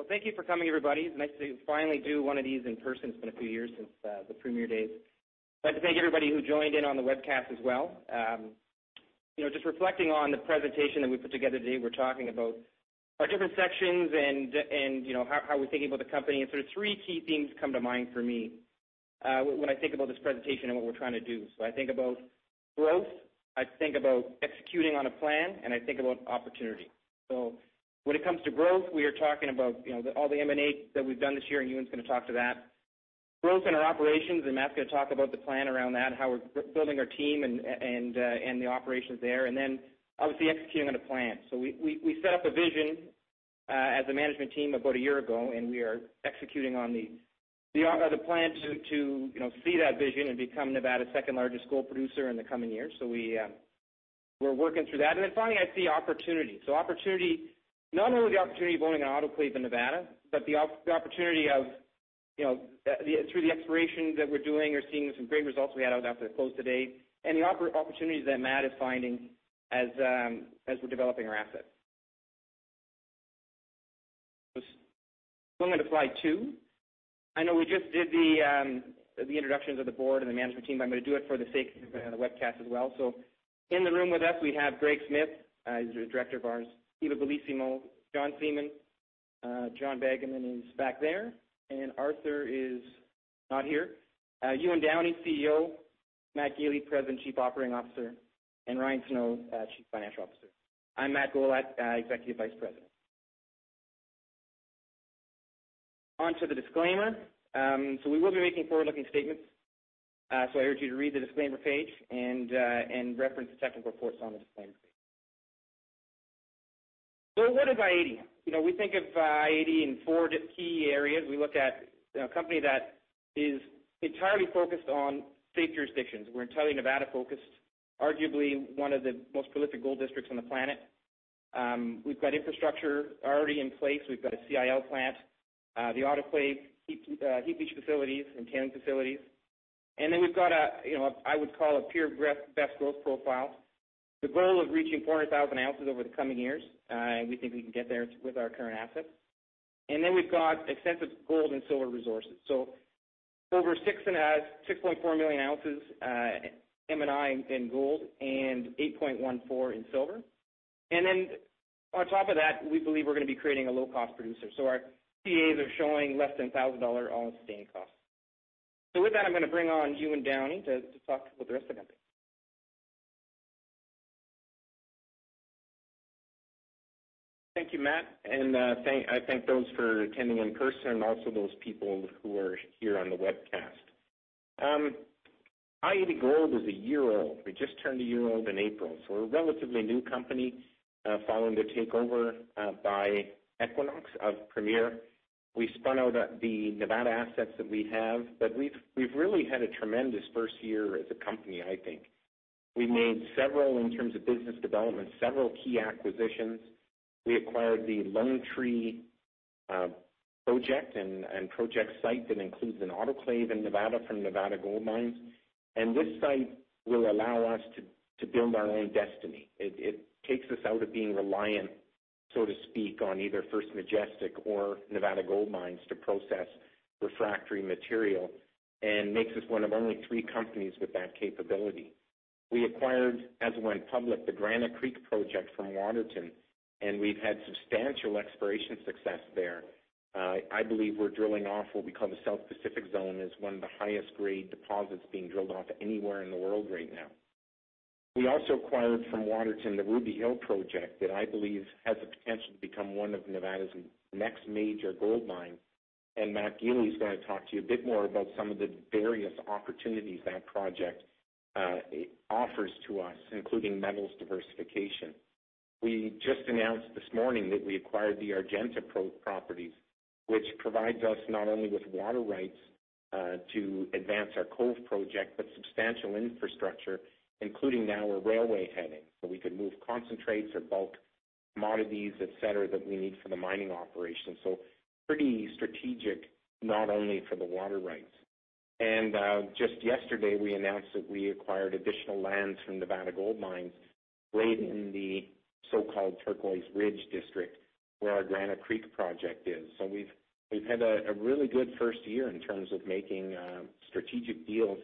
Well, thank you for coming, everybody. It's nice to finally do one of these in person. It's been a few years since the Premier days. I'd like to thank everybody who joined in on the webcast as well. Just reflecting on the presentation that we put together today, we're talking about our different sections and how we're thinking about the company, and three key themes come to mind for me, when I think about this presentation and what we're trying to do. I think about growth, I think about executing on a plan, and I think about opportunity. When it comes to growth, we are talking about all the M&A that we've done this year, and Ewan's going to talk to that. Growth in our operations, and Matt's going to talk about the plan around that, how we're building our team and the operations there. Obviously executing on a plan. We set up a vision as a management team about a year ago, and we are executing on the plan to see that vision and become Nevada's second-largest gold producer in the coming years. We're working through that. Finally, I see opportunity. Opportunity, not only the opportunity of owning an autoclave in Nevada, but the opportunity through the explorations that we're doing or seeing some great results we had out after the close today, and the opportunities that Matt is finding as we're developing our assets. Going on to slide two. I know we just did the introductions of the board and the management team, but I'm going to do it for the sake of the webcast as well. In the room with us, we have Greg Smith, he's a director of ours, Eva Bellissimo, John Seaman, John Begeman is back there, and Arthur is not here. Ewan Downie, CEO. Matt Gili, President, Chief Operating Officer, and Ryan Snow, Chief Financial Officer. I'm Matt Gollat, Executive Vice President. On to the disclaimer. We will be making forward-looking statements. I urge you to read the disclaimer page and reference the technical reports on the disclaimer page. What is i-80? We think of i-80 in four key areas. We look at a company that is entirely focused on safe jurisdictions. We're entirely Nevada focused, arguably one of the most prolific gold districts on the planet. We've got infrastructure already in place. We've got a CIL plant, the autoclave heap leach facilities and carbon facilities. Then we've got, I would call a peer best growth profile. The goal of reaching 400,000 ounces over the coming years. We think we can get there with our current assets. We've got extensive gold and silver resources. Over 6.4 million ounces, M&I in gold and 8.14 in silver. On top of that, we believe we're going to be creating a low-cost producer. Our PEAs are showing less than $1,000 all-in sustaining costs. With that, I'm going to bring on Ewan Downie to talk about the rest of everything. Thank you, Matt, and I thank those for attending in person and also those people who are here on the webcast. i-80 Gold is a year old. We just turned a year old in April, so we're a relatively new company, following the takeover by Equinox of Premier. We spun out the Nevada assets that we have. We've really had a tremendous first year as a company, I think. We made several, in terms of business development, several key acquisitions. We acquired the Lone Tree project and project site that includes an autoclave in Nevada from Nevada Gold Mines. This site will allow us to build our own destiny. It takes us out of being reliant, so to speak, on either First Majestic or Nevada Gold Mines to process refractory material and makes us one of only three companies with that capability. We acquired, as it went public, the Granite Creek project from Waterton, and we've had substantial exploration success there. I believe we're drilling off what we call the South Pacific Zone as one of the highest grade deposits being drilled off anywhere in the world right now. We also acquired from Waterton, the Ruby Hill project that I believe has the potential to become one of Nevada's next major gold mines. Matt Gili's going to talk to you a bit more about some of the various opportunities that project offers to us, including metals diversification. We just announced this morning that we acquired the Argenta properties, which provides us not only with water rights to advance our Cove project, but substantial infrastructure, including now a railway heading, so we can move concentrates or bulk commodities, et cetera, that we need for the mining operation. Pretty strategic, not only for the water rights. Just yesterday, we announced that we acquired additional lands from Nevada Gold Mines right in the so-called Turquoise Ridge district, where our Granite Creek project is. We've had a really good first year in terms of making strategic deals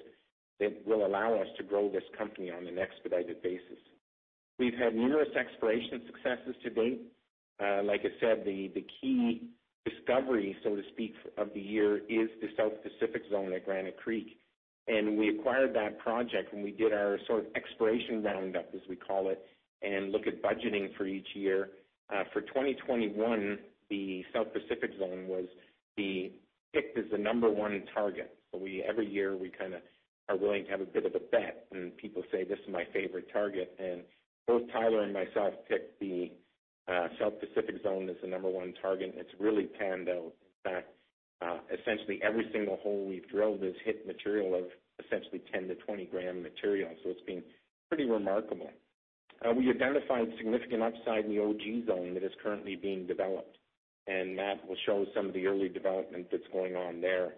that will allow us to grow this company on an expedited basis. We've had numerous exploration successes to date. Like I said, the key discovery, so to speak, of the year is the South Pacific Zone at Granite Creek. We acquired that project when we did our sort of exploration round-up, as we call it, and look at budgeting for each year. For 2021, the South Pacific Zone was picked as the number one target. Every year, we are willing to have a bit of a bet and people say, "This is my favorite target." Both Tyler and myself picked the South Pacific Zone as the number one target, and it's really panned out. In fact, essentially every single hole we've drilled has hit material of essentially 10 g-20 g material, so it's been pretty remarkable. We identified significant upside in the Ogee Zone that is currently being developed, and Matt will show some of the early development that's going on there.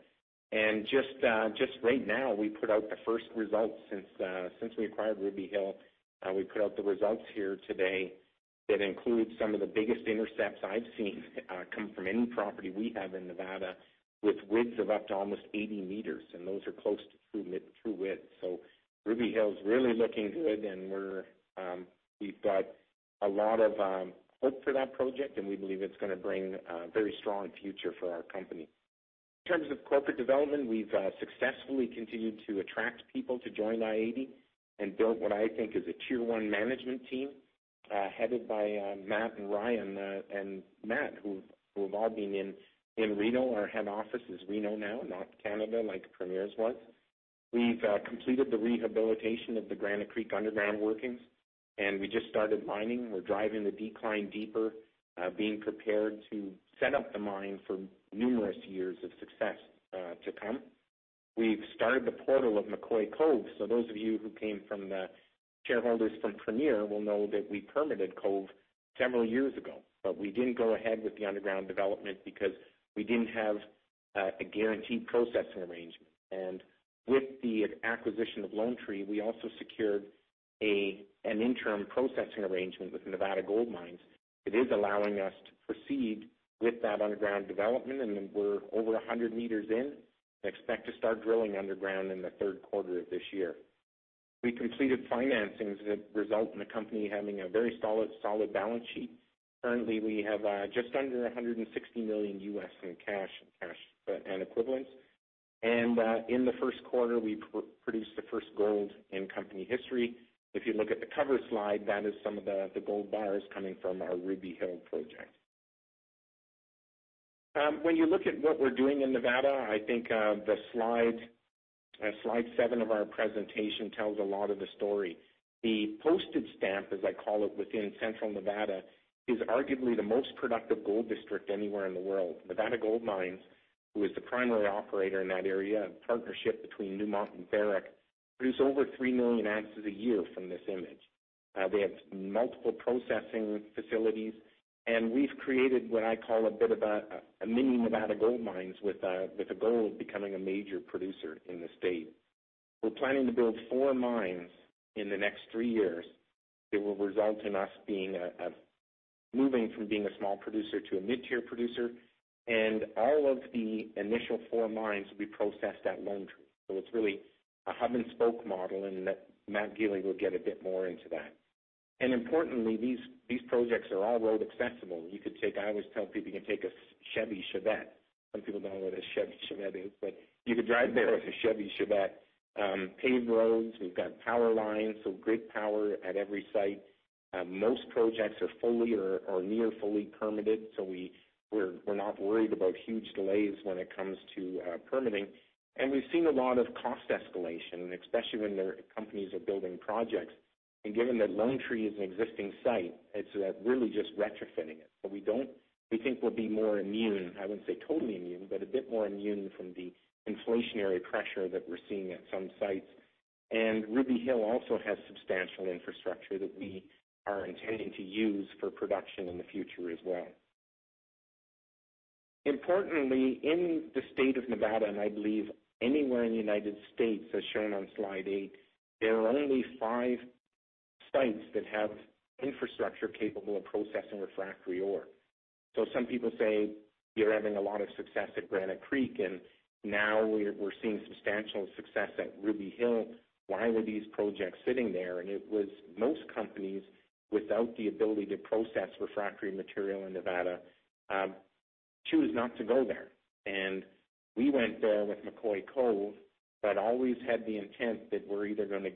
Just right now, we put out the first results since we acquired Ruby Hill. We put out the results here today that include some of the biggest intercepts I've seen come from any property we have in Nevada, with widths of up to almost 80 m, and those are close to true width. Ruby Hill's really looking good, and we've got a lot of hope for that project, and we believe it's going to bring a very strong future for our company. In terms of corporate development, we've successfully continued to attract people to join i-80 and built what I think is a tier-one management team, headed by Matt and Ryan, who have all been in Reno. Our head office is Reno now, not Canada like Premier's was. We've completed the rehabilitation of the Granite Creek underground workings, and we just started mining. We're driving the decline deeper, being prepared to set up the mine for numerous years of success to come. We've started the portal of McCoy-Cove, so those of you who came from the shareholders from Premier will know that we permitted Cove several years ago, but we didn't go ahead with the underground development because we didn't have a guaranteed processing arrangement. With the acquisition of Lone Tree, we also secured an interim processing arrangement with Nevada Gold Mines that is allowing us to proceed with that underground development, and we're over 100 m in and expect to start drilling underground in the third quarter of this year. We completed financings that result in the company having a very solid balance sheet. Currently, we have just under $160 million in cash and equivalents. In the first quarter, we produced the first gold in company history. If you look at the cover slide, that is some of the gold bars coming from our Ruby Hill project. When you look at what we're doing in Nevada, I think slide seven of our presentation tells a lot of the story. The postage stamp, as I call it, within central Nevada, is arguably the most productive gold district anywhere in the world. Nevada Gold Mines, who is the primary operator in that area, a partnership between Newmont and Barrick, produce over 3 million ounces a year from this image. They have multiple processing facilities, and we've created what I call a bit of a mini Nevada Gold Mines with a goal of becoming a major producer in the state. We're planning to build four mines in the next three years that will result in us moving from being a small producer to a mid-tier producer, and all of the initial four mines will be processed at Lone Tree. It's really a hub-and-spoke model, and Matt Gili will get a bit more into that. Importantly, these projects are all road accessible. I always tell people you can take a Chevy Chevette. Some people don't know what a Chevy Chevette is, but you could drive there with a Chevy Chevette. Paved roads, we've got power lines, so great power at every site. Most projects are fully or near fully permitted, so we're not worried about huge delays when it comes to permitting. We've seen a lot of cost escalation, especially when companies are building projects. Given that Lone Tree is an existing site, it's really just retrofitting it. We think we'll be more immune, I wouldn't say totally immune, but a bit more immune from the inflationary pressure that we're seeing at some sites. Ruby Hill also has substantial infrastructure that we are intending to use for production in the future as well. Importantly, in the state of Nevada, and I believe anywhere in the United States, as shown on slide eight, there are only five sites that have infrastructure capable of processing refractory ore. Some people say, "You're having a lot of success at Granite Creek, and now we're seeing substantial success at Ruby Hill. Why were these projects sitting there?" It was most companies, without the ability to process refractory material in Nevada, choose not to go there. We went there with McCoy-Cove but always had the intent that we're either going to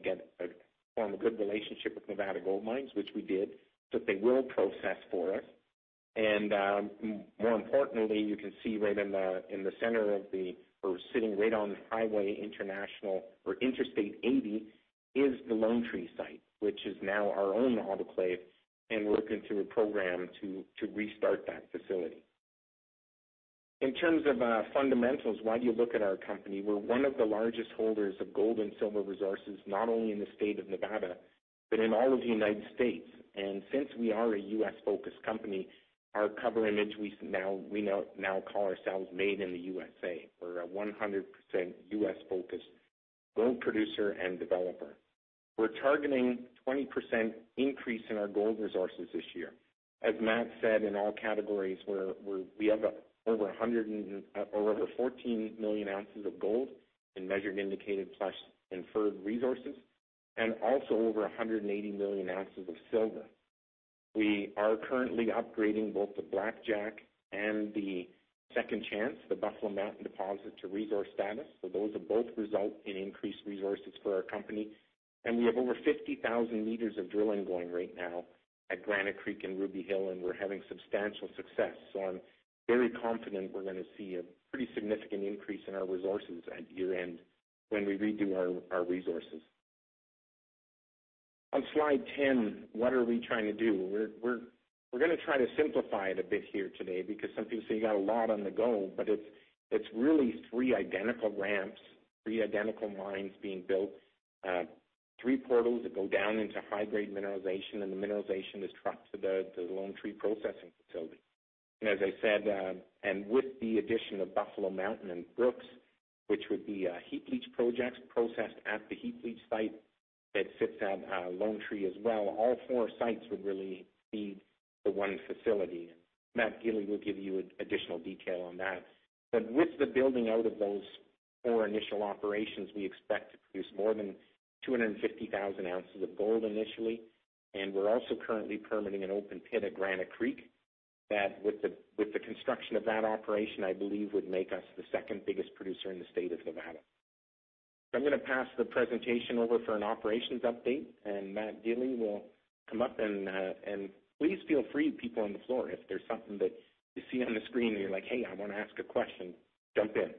form a good relationship with Nevada Gold Mines, which we did, that they will process for us, and more importantly, you can see right in the center or sitting right on Interstate 80 is the Lone Tree site, which is now our own autoclave, and we're looking to reprogram to restart that facility. In terms of fundamentals, why do you look at our company? We're one of the largest holders of gold and silver resources, not only in the state of Nevada, but in all of the United States. Since we are a U.S.-focused company, our cover image, we now call ourselves Made in the USA. We're a 100% U.S.-focused gold producer and developer. We're targeting 20% increase in our gold resources this year. As Matt said, in all categories, we have over 14 million ounces of gold in measured, indicated, plus inferred resources, and also over 180 million ounces of silver. We are currently upgrading both the Blackjack and the Second Chance, the Buffalo Mountain deposit, to resource status, so those will both result in increased resources for our company. We have over 50,000 m of drilling going right now at Granite Creek and Ruby Hill, and we're having substantial success. I'm very confident we're going to see a pretty significant increase in our resources at year-end when we redo our resources. On slide 10, what are we trying to do? We're going to try to simplify it a bit here today because some people say, "You got a lot on the go," but it's really three identical ramps, three identical mines being built. Three portals that go down into high-grade mineralization, and the mineralization is trucked to the Lone Tree processing facility. As I said, with the addition of Buffalo Mountain and Brooks, which would be heap leach projects processed at the heap leach site that sits at Lone Tree as well, all four sites would really feed the one facility. Matt Gili will give you additional detail on that. With the building out of those four initial operations, we expect to produce more than 250,000 ounces of gold initially. We're also currently permitting an open pit at Granite Creek, that with the construction of that operation, I believe would make us the second biggest producer in the state of Nevada. I'm going to pass the presentation over for an operations update, and Matt Gili will come up. Please feel free, people on the floor, if there's something that you see on the screen and you're like, "Hey, I want to ask a question," jump in.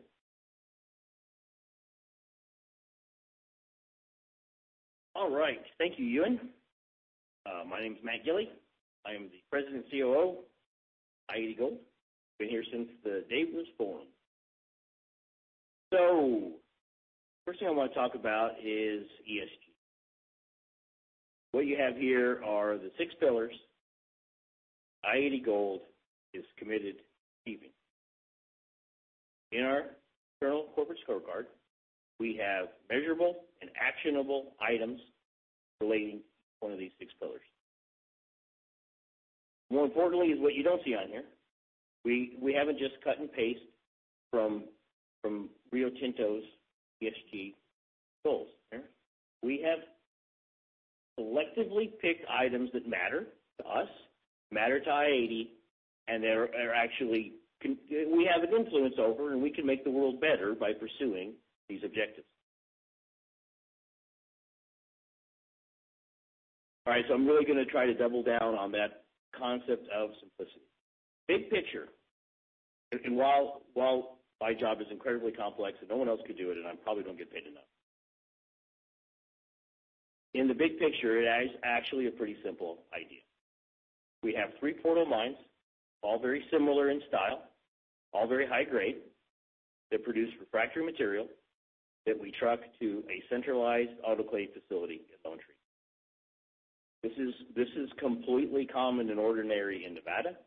All right. Thank you, Ewan. My name is Matt Gili. I am the President and COO of i-80 Gold. Been here since the day it was formed. First thing I want to talk about is ESG. What you have here are the six pillars i-80 Gold is committed to keeping. In our internal corporate scorecard, we have measurable and actionable items relating to one of these six pillars. More importantly is what you don't see on here. We haven't just cut and paste from Rio Tinto's ESG goals. We have selectively picked items that matter to us, matter to i-80, and that are actually, we have an influence over, and we can make the world better by pursuing these objectives. All right, I'm really going to try to double down on that concept of simplicity. Big picture, while my job is incredibly complex and no one else could do it and I probably don't get paid enough. In the big picture, it is actually a pretty simple idea. We have three portal mines, all very similar in style, all very high grade, that produce refractory material that we truck to a centralized autoclave facility at Lone Tree. This is completely common and ordinary in Nevada.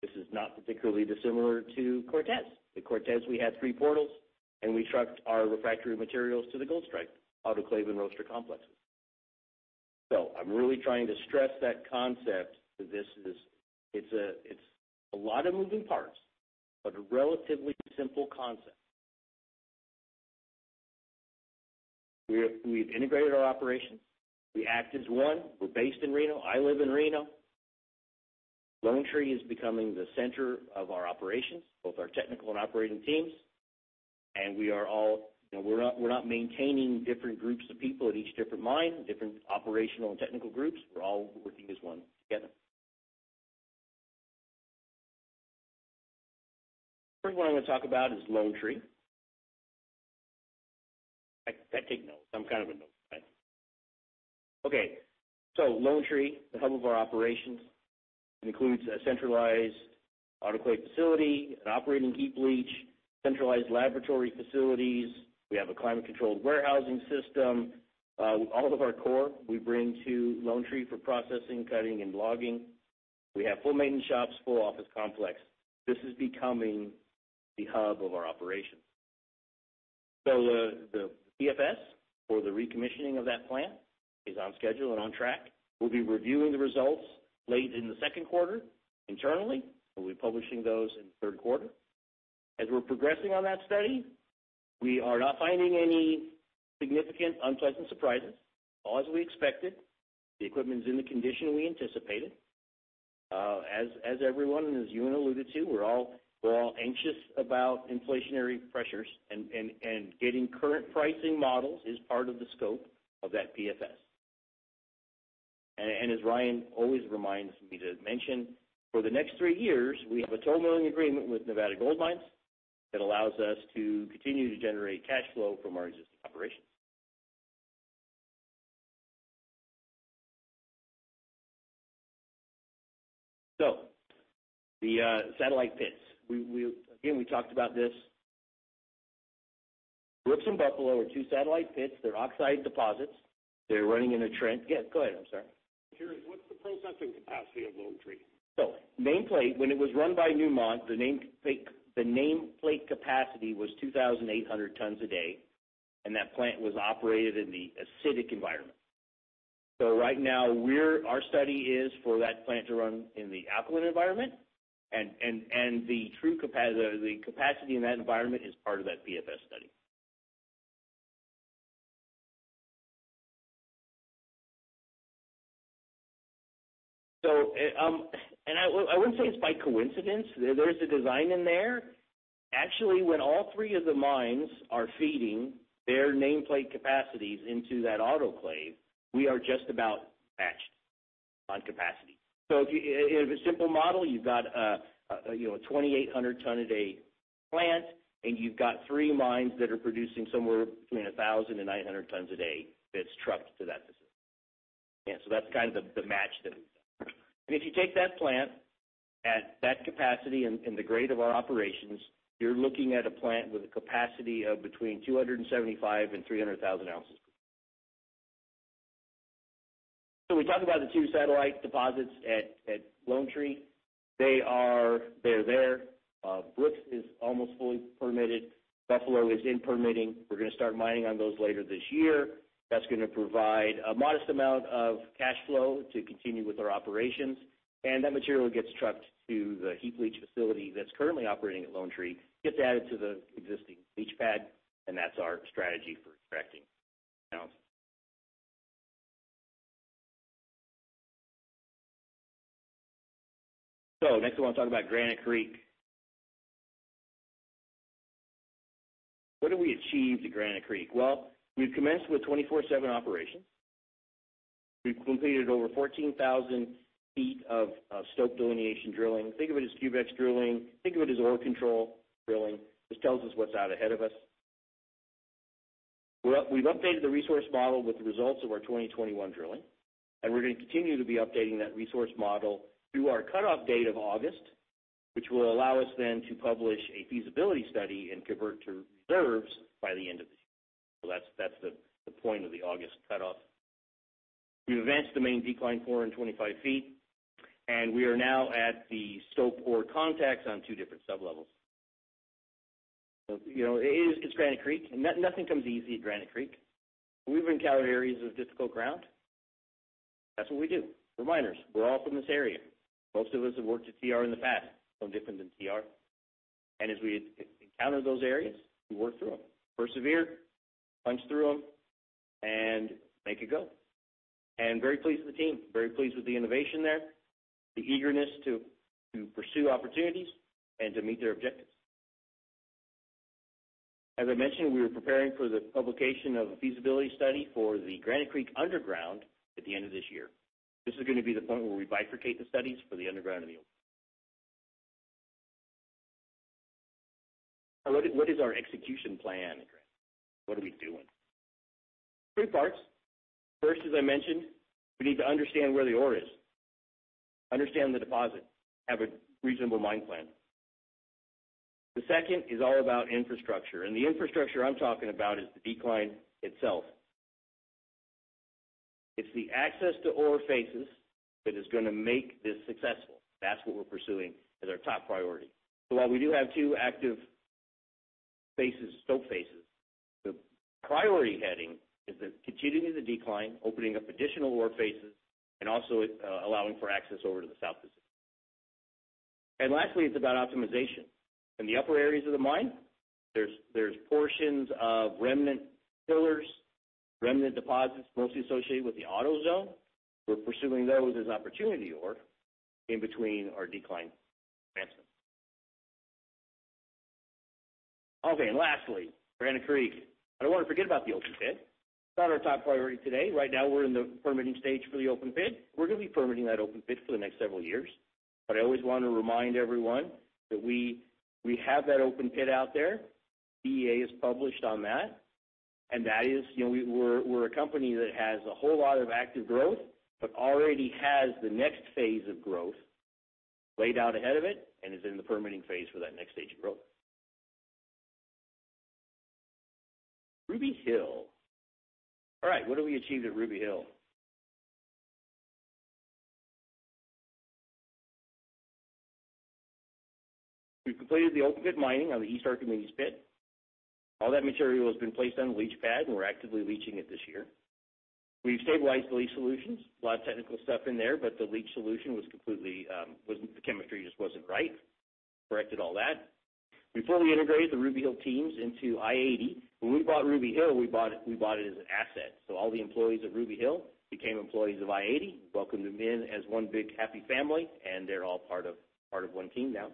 This is not particularly dissimilar to Cortez. At Cortez we had three portals, and we trucked our refractory materials to the Goldstrike autoclave and roaster complexes. I'm really trying to stress that concept that this is, it's a lot of moving parts, but a relatively simple concept. We've integrated our operations. We act as one. We're based in Reno. I live in Reno. Lone Tree is becoming the center of our operations, both our technical and operating teams. We are all, we're not maintaining different groups of people at each different mine, different operational and technical groups. We're all working as one together. First one I'm going to talk about is Lone Tree. I take notes. I'm kind of a note guy. Okay, Lone Tree, the hub of our operations, includes a centralized autoclave facility, an operating heap leach, centralized laboratory facilities. We have a climate-controlled warehousing system. All of our core we bring to Lone Tree for processing, cutting, and logging. We have full maintenance shops, full office complex. This is becoming the hub of our operations. The PFS for the recommissioning of that plant is on schedule and on track. We'll be reviewing the results late in the second quarter internally. We'll be publishing those in the third quarter. As we're progressing on that study, we are not finding any significant unpleasant surprises, all as we expected. The equipment's in the condition we anticipated. As everyone, and as Ewan alluded to, we're all anxious about inflationary pressures, and getting current pricing models is part of the scope of that PFS. As Ryan always reminds me to mention, for the next three years, we have a tolling agreement with Nevada Gold Mines that allows us to continue to generate cash flow from our existing operations. The satellite pits, again, we talked about this. Brooks and Buffalo are two satellite pits. They're oxide deposits. They're running in a trend. Yes, go ahead. I'm sorry. Curious, what's the processing capacity of Lone Tree? Nameplate, when it was run by Newmont, the nameplate capacity was 2,800 tons a day, and that plant was operated in the acidic environment. Right now, our study is for that plant to run in the alkaline environment, and the capacity in that environment is part of that PFS study. I wouldn't say it's by coincidence. There's a design in there. Actually, when all three of the mines are feeding their nameplate capacities into that autoclave, we are just about matched on capacity. If a simple model, you've got a 2,800 ton a day plant, and you've got three mines that are producing somewhere between 1,000 and 900 tons a day that's trucked to that facility. Yeah. That's kind of the match that we've done. If you take that plant at that capacity and the grade of our operations, you're looking at a plant with a capacity of between 275,000 and 300,000 ounces. We talked about the two satellite deposits at Lone Tree. They're there. Brooks is almost fully permitted. Buffalo is in permitting. We're going to start mining on those later this year. That's going to provide a modest amount of cash flow to continue with our operations. That material gets trucked to the heap leach facility that's currently operating at Lone Tree, gets added to the existing leach pad, and that's our strategy for extracting. Next I want to talk about Granite Creek. What have we achieved at Granite Creek? Well, we've commenced with 24/7 operation. We've completed over 14,000 ft of stope delineation drilling. Think of it as Cubex drilling. Think of it as ore control drilling. This tells us what's out ahead of us. We've updated the resource model with the results of our 2021 drilling, and we're going to continue to be updating that resource model through our cutoff date of August, which will allow us then to publish a feasibility study and convert to reserves by the end of this year. That's the point of the August cutoff. We've advanced the main decline 425 ft, and we are now at the stope ore contacts on two different sub levels. It is Granite Creek, and nothing comes easy at Granite Creek. We've encountered areas of difficult ground. That's what we do. We're miners. We're all from this area. Most of us have worked at TR in the past. No different than TR. As we encounter those areas, we work through them, persevere, punch through them, and make a go. I'm very pleased with the team, very pleased with the innovation there, the eagerness to pursue opportunities and to meet their objectives. As I mentioned, we are preparing for the publication of a feasibility study for the Granite Creek Underground at the end of this year. This is going to be the point where we bifurcate the studies for the underground and the open. What is our execution plan at Granite Creek? What are we doing? Three parts. First, as I mentioned, we need to understand where the ore is, understand the deposit, have a reasonable mine plan. The second is all about infrastructure, and the infrastructure I'm talking about is the decline itself. It's the access to ore faces that is going to make this successful. That's what we're pursuing as our top priority. While we do have two active stope faces, the priority heading is the continuing the decline, opening up additional ore faces, and also allowing for access over to the south. Lastly, it's about optimization. In the upper areas of the mine, there's portions of remnant pillars, remnant deposits, mostly associated with the Ogee Zone. We're pursuing those as opportunity ore in between our decline advancement. Okay. Lastly, Granite Creek. I don't want to forget about the open pit. It's not our top priority today. Right now, we're in the permitting stage for the open pit. We're going to be permitting that open pit for the next several years. I always want to remind everyone that we have that open pit out there. PEA is published on that, and that is, we're a company that has a whole lot of active growth, but already has the next phase of growth laid out ahead of it and is in the permitting phase for that next stage of growth. Ruby Hill. All right, what have we achieved at Ruby Hill? We've completed the open pit mining on the East Archimedes pit. All that material has been placed on the leach pad, and we're actively leaching it this year. We've stabilized the leach solutions. A lot of technical stuff in there, but the leach solution, the chemistry just wasn't right. Corrected all that. We fully integrated the Ruby Hill teams into i-80. When we bought Ruby Hill, we bought it as an asset. So all the employees of Ruby Hill became employees of i-80. welcomed them in as one big happy family, and they're all part of one team now.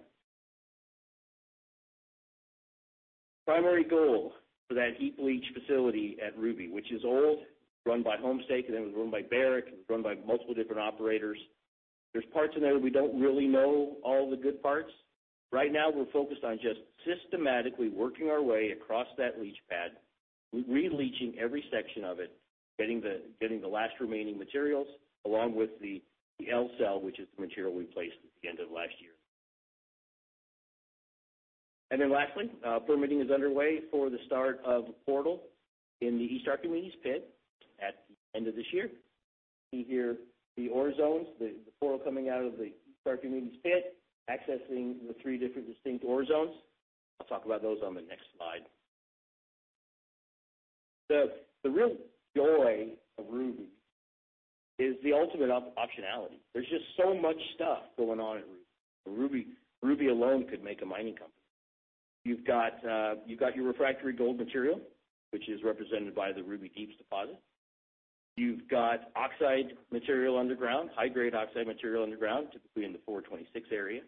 Primary goal for that heap leach facility at Ruby, which is old, run by Homestake, and then it was run by Barrick. It was run by multiple different operators. There's parts in there we don't really know all the good parts. Right now we're focused on just systematically working our way across that leach pad, re-leaching every section of it, getting the last remaining materials, along with the L-cell, which is the material we placed at the end of last year. Lastly, permitting is underway for the start of portal in the East Archimedes pit at the end of this year. See here the ore zones, the portal coming out of the East Archimedes pit, accessing the three different distinct ore zones. I'll talk about those on the next slide. The real joy of Ruby is the ultimate optionality. There's just so much stuff going on at Ruby. Ruby alone could make a mining company. You've got your refractory gold material, which is represented by the Ruby Deeps deposit. You've got oxide material underground, high-grade oxide material underground, typically in the 426 area.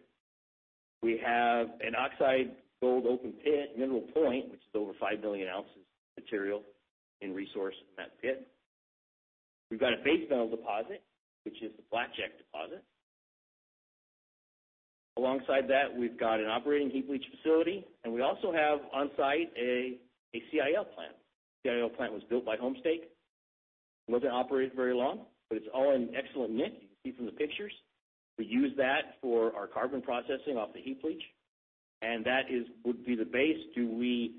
We have an oxide gold open pit, Mineral Point, which is over 5 million ounces of material in resource in that pit. We've got a base metal deposit, which is the Blackjack deposit. Alongside that, we've got an operating heap leach facility, and we also have on-site a CIL plant. CIL plant was built by Homestake. It wasn't operated very long, but it's all in excellent nick, you can see from the pictures. We use that for our carbon processing off the heap leach, and that would be the base. Do we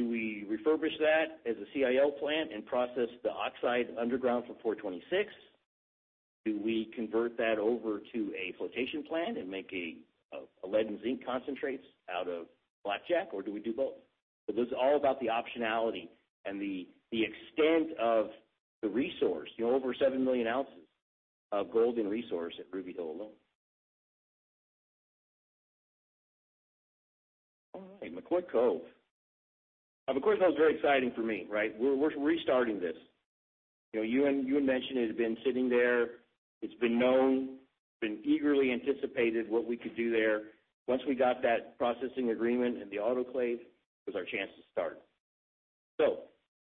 refurbish that as a CIL plant and process the oxide underground for 426? Do we convert that over to a flotation plant and make a lead and zinc concentrates out of Blackjack, or do we do both? This is all about the optionality and the extent of the resource, over 7 million ounces of gold in resource at Ruby Hill alone. All right, McCoy-Cove. McCoy-Cove is very exciting for me. We're restarting this. Ewan mentioned it had been sitting there. It's been known, been eagerly anticipated what we could do there. Once we got that processing agreement and the autoclave, it was our chance to start.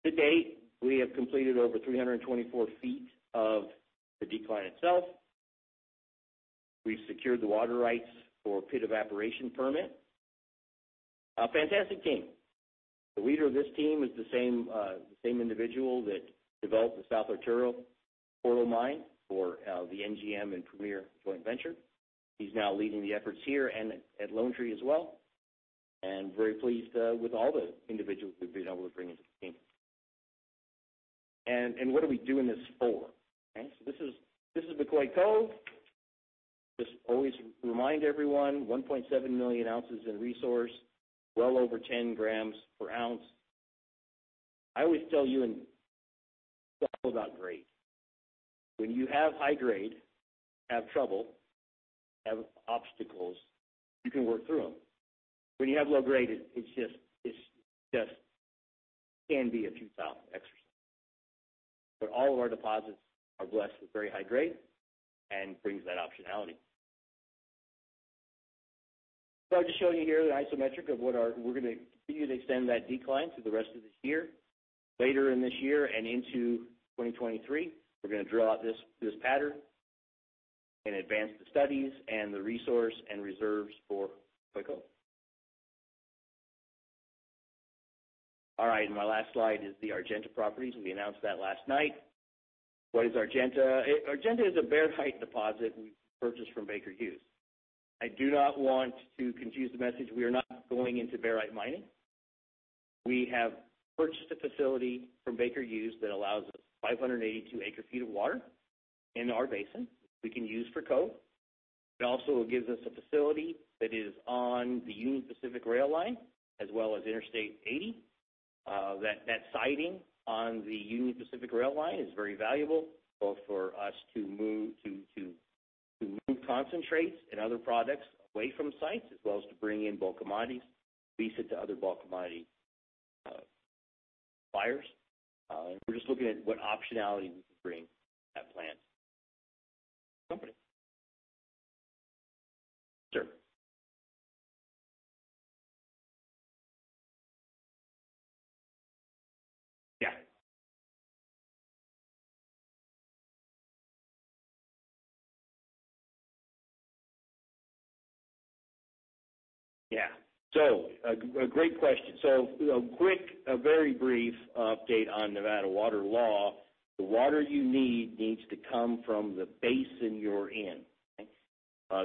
To date, we have completed over 324 ft of the decline itself. We've secured the water rights for pit evaporation permit. A fantastic team. The leader of this team is the same individual that developed the South Arturo Portal Mine for the NGM and Premier joint venture. He's now leading the efforts here and at Lone Tree as well, and very pleased with all the individuals we've been able to bring into the team. What are we doing this for? This is McCoy-Cove. Just always remind everyone, 1.7 million ounces in resource, well over 10 g per ounce. I always tell Ewan, it's all about grade. When you have high grade, have trouble, have obstacles, you can work through them. When you have low grade, it just can be a futile exercise. All of our deposits are blessed with very high grade and brings that optionality. I'll just show you here the isometric of what we're going to continue to extend that decline through the rest of this year. Later in this year and into 2023, we're going to drill out this pattern and advance the studies and the resource and reserves for McCoy-Cove. All right. My last slide is the Argenta properties. We announced that last night. What is Argenta? Argenta is a barite deposit we purchased from Baker Hughes. I do not want to confuse the message. We are not going into barite mining. We have purchased a facility from Baker Hughes that allows us 582 acre ft of water in our basin we can use for Cove. It also gives us a facility that is on the Union Pacific rail line, as well as Interstate 80. That siting on the Union Pacific rail line is very valuable, both for us to move concentrates and other products away from sites, as well as to bring in bulk commodities, lease it to other bulk commodity suppliers. We're just looking at what optionality we can bring to that plant and the company. Sure. Yeah. Yeah. A great question. A quick, very brief update on Nevada water law. The water you need, needs to come from the basin you're in.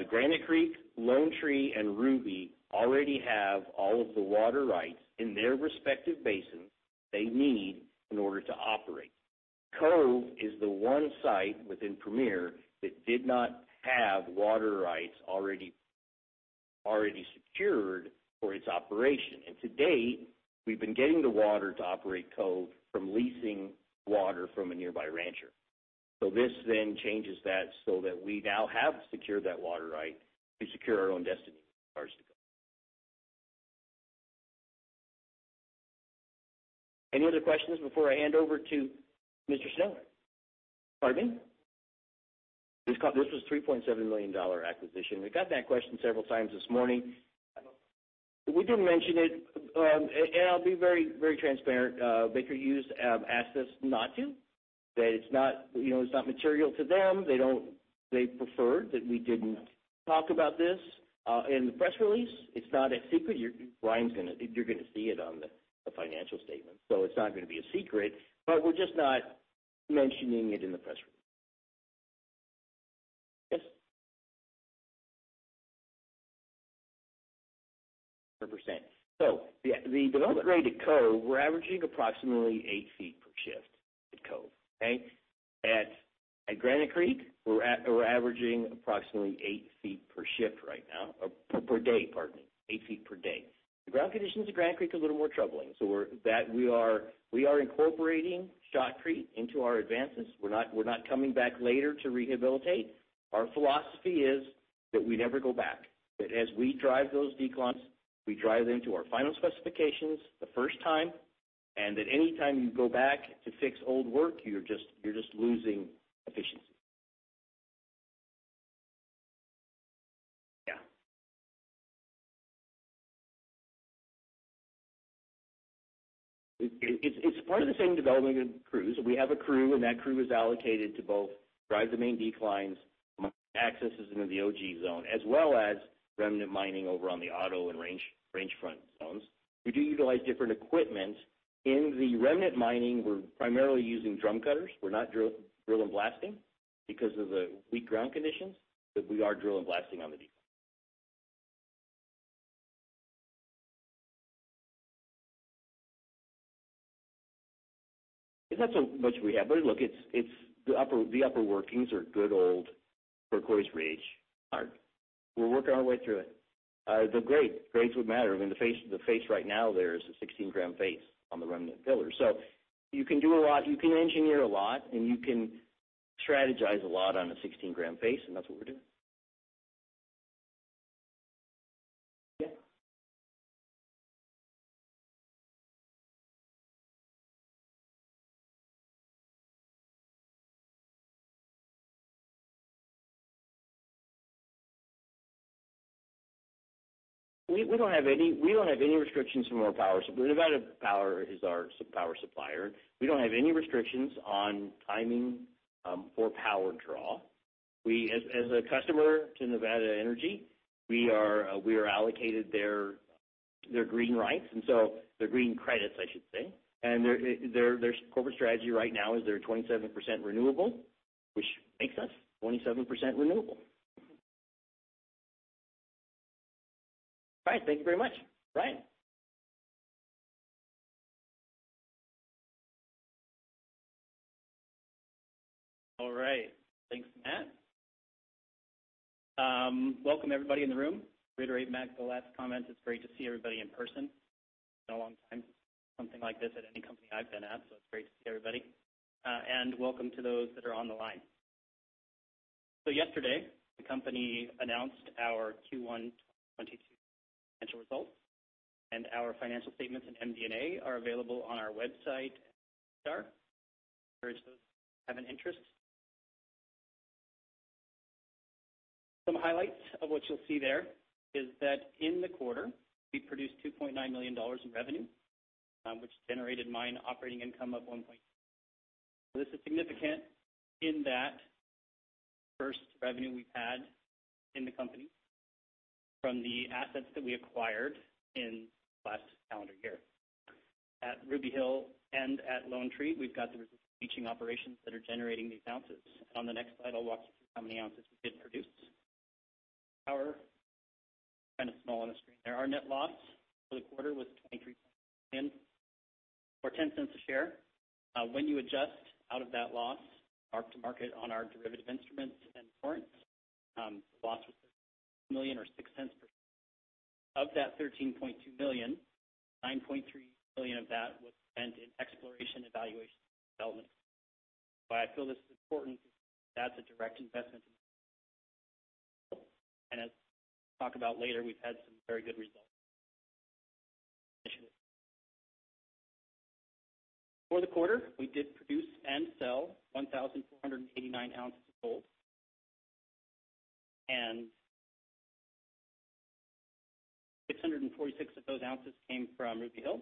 Granite Creek, Lone Tree, and Ruby already have all of the water rights in their respective basins they need in order to operate. Cove is the one site within Premier that did not have water rights already secured for its operation. To date, we've been getting the water to operate Cove from leasing water from a nearby rancher. This changes that so that we now have secured that water right. We secure our own destiny as far as the Cove. Any other questions before I hand over to Mr. Snow? Pardon? This was a $3.7 million acquisition. We got that question several times this morning. We didn't mention it, and I'll be very transparent. Baker Hughes asked us not to, that it's not material to them. They preferred that we didn't talk about this in the press release. It's not a secret. Brian, you're going to see it on the financial statement, so it's not going to be a secret, but we're just not mentioning it in the press release. Yes. 100%. The development grade at Cove, we're averaging approximately 8 ft per shift at Cove. At Granite Creek, we're averaging approximately 8 ft per shift right now, or per day, pardon me, 8 ft per day. The ground conditions at Granite Creek are a little more troubling. We are incorporating shotcrete into our advances. We're not coming back later to rehabilitate. Our philosophy is that we never go back. That as we drive those declines, we drive them to our final specifications the first time, and that any time you go back to fix old work, you're just losing efficiency. Yeah. It's part of the same development of crews. We have a crew, and that crew is allocated to both drive the main declines, accesses into the Ogee Zone, as well as remnant mining over on the Otto and Range Front zones. We do utilize different equipment. In the remnant mining, we're primarily using drum cutters. We're not drill and blasting because of the weak ground conditions, but we are drill and blasting on the decline. It's not so much rehab. Look, it's the upper workings are good old Turquoise Ridge. We're working our way through it. The grades would matter. I mean, the face right now there is a 16 g face on the remnant pillar. So you can do a lot, you can engineer a lot, and you can strategize a lot on a 16 g face, and that's what we're doing. Yeah. We don't have any restrictions from our power. Nevada Power is our power supplier. We don't have any restrictions on timing or power draw. As a customer to Nevada Energy, we are allocated their green rights, and so their green credits, I should say. Their corporate strategy right now is they're 27% renewable, which makes us 27% renewable. All right. Thank you very much. Ryan? All right. Thanks, Matt. Welcome, everybody in the room. To reiterate Matt, the last comment, it's great to see everybody in person. It's been a long time since something like this at any company I've been at, so it's great to see everybody. Welcome to those that are on the line. Yesterday, the company announced our Q1 2022 financial results, and our financial statements and MD&A are available on our website, and SEDAR for those who have an interest. Some highlights of what you'll see there is that in the quarter, we produced $2.9 million in revenue, which generated mine operating income of $1.2 million. This is significant in that first revenue we've had in the company from the assets that we acquired in the last calendar year. At Ruby Hill and at Lone Tree, we've got the existing leaching operations that are generating these ounces. On the next slide, I'll walk you through how many ounces we did produce. Our, kind of small on the screen there. Our net loss for the quarter was $23.2 million or $0.10 per share. When you adjust out of that loss, mark to market on our derivative instruments and warrants, the loss was $13.2 million or $0.06 per share. Of that $13.2 million, $9.3 million of that was spent in exploration, evaluation, and development. Why I feel this is important, because that's a direct investment in the company. As we'll talk about later, we've had some very good results from that initiative. For the quarter, we did produce and sell 1,489 ounces of gold, and 646 of those ounces came from Ruby Hill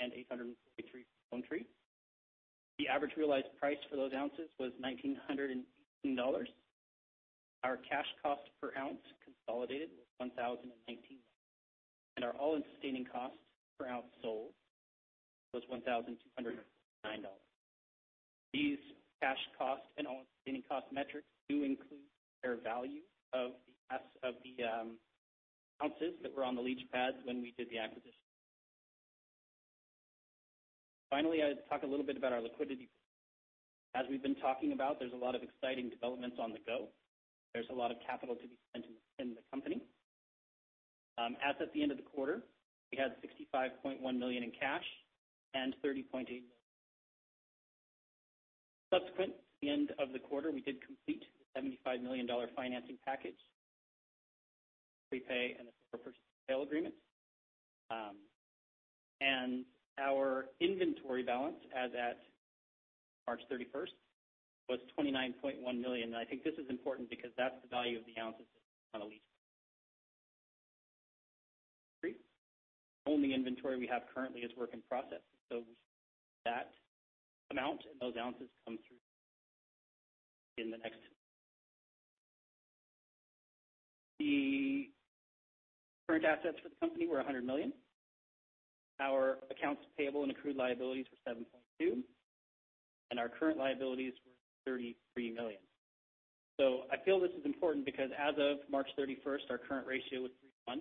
and 843 ounces from Lone Tree. The average realized price for those ounces was $1,918. Our cash cost per ounce consolidated was $1,019, and our all-in sustaining costs per ounce sold was $1,209. These cash costs and all-in sustaining cost metrics do include the fair value of the ounces that were on the leach pad when we did the acquisition. Finally, I'll talk a little bit about our liquidity. As we've been talking about, there's a lot of exciting developments on the go. There's a lot of capital to be spent in the company. As at the end of the quarter, we had $65.1 million in cash and $30.8 million in receivables. Subsequent to the end of the quarter, we did complete the $75 million financing package, which includes a prepay and a 4% sales agreement. Our inventory balance as at March 31st was $29.1 million. I think this is important because that's the value of the ounces that are on the leach pad at Ruby and Lone Tree. The only inventory we have currently is work in process. We see that amount and those ounces come through in the next quarter. The current assets for the company were $100 million. Our accounts payable and accrued liabilities were $7.2 million, and our current liabilities were $33 million. I feel this is important because as of March 31st, our current ratio was 3:1.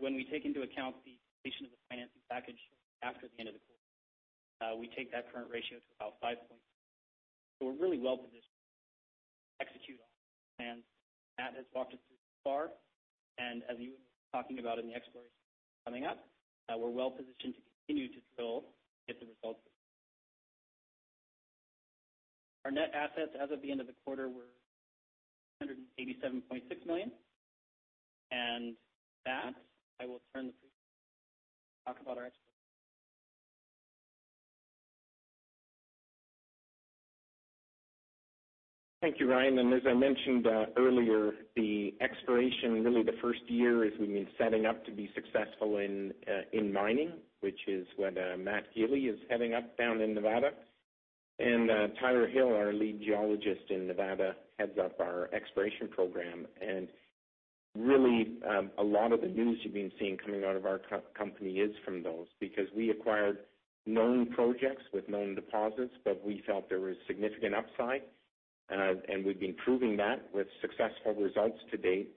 When we take into account the completion of the financing package shortly after the end of the quarter, we take that current ratio to about 5.2:1. We're really well-positioned to execute on our business plans. Matt has walked us through thus far, and as you will hear us talking about in the exploration coming up, we're well positioned to continue to drill to get the results that we've seen so far. Our net assets as of the end of the quarter were $187.6 million. With that, I will turn the presentation back to Ewan to talk about our exploration. Thank you, Ryan. As I mentioned earlier, the exploration, really the first year, is we've been setting up to be successful in mining, which is what Matt Gili is heading up down in Nevada. Tyler Hill, our lead geologist in Nevada, heads up our exploration program. Really, a lot of the news you've been seeing coming out of our company is from those, because we acquired known projects with known deposits, but we felt there was significant upside. We've been proving that with successful results to date.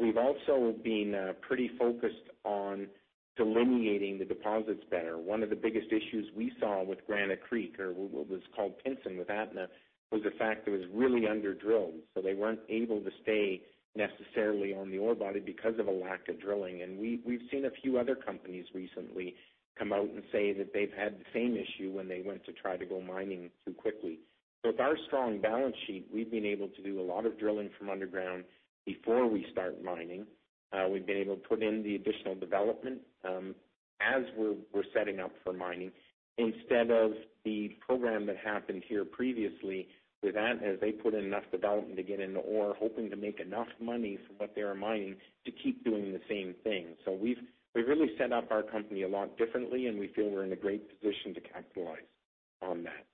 We've also been pretty focused on delineating the deposits better. One of the biggest issues we saw with Granite Creek, or what was called Pinson with Atna, was the fact it was really under-drilled. They weren't able to stay necessarily on the ore body because of a lack of drilling. We've seen a few other companies recently come out and say that they've had the same issue when they went to try to go mining too quickly. With our strong balance sheet, we've been able to do a lot of drilling from underground before we start mining. We've been able to put in the additional development, as we're setting up for mining, instead of the program that happened here previously with Atna, as they put in enough development to get into ore, hoping to make enough money from what they were mining to keep doing the same thing. We've really set up our company a lot differently, and we feel we're in a great position to capitalize on that.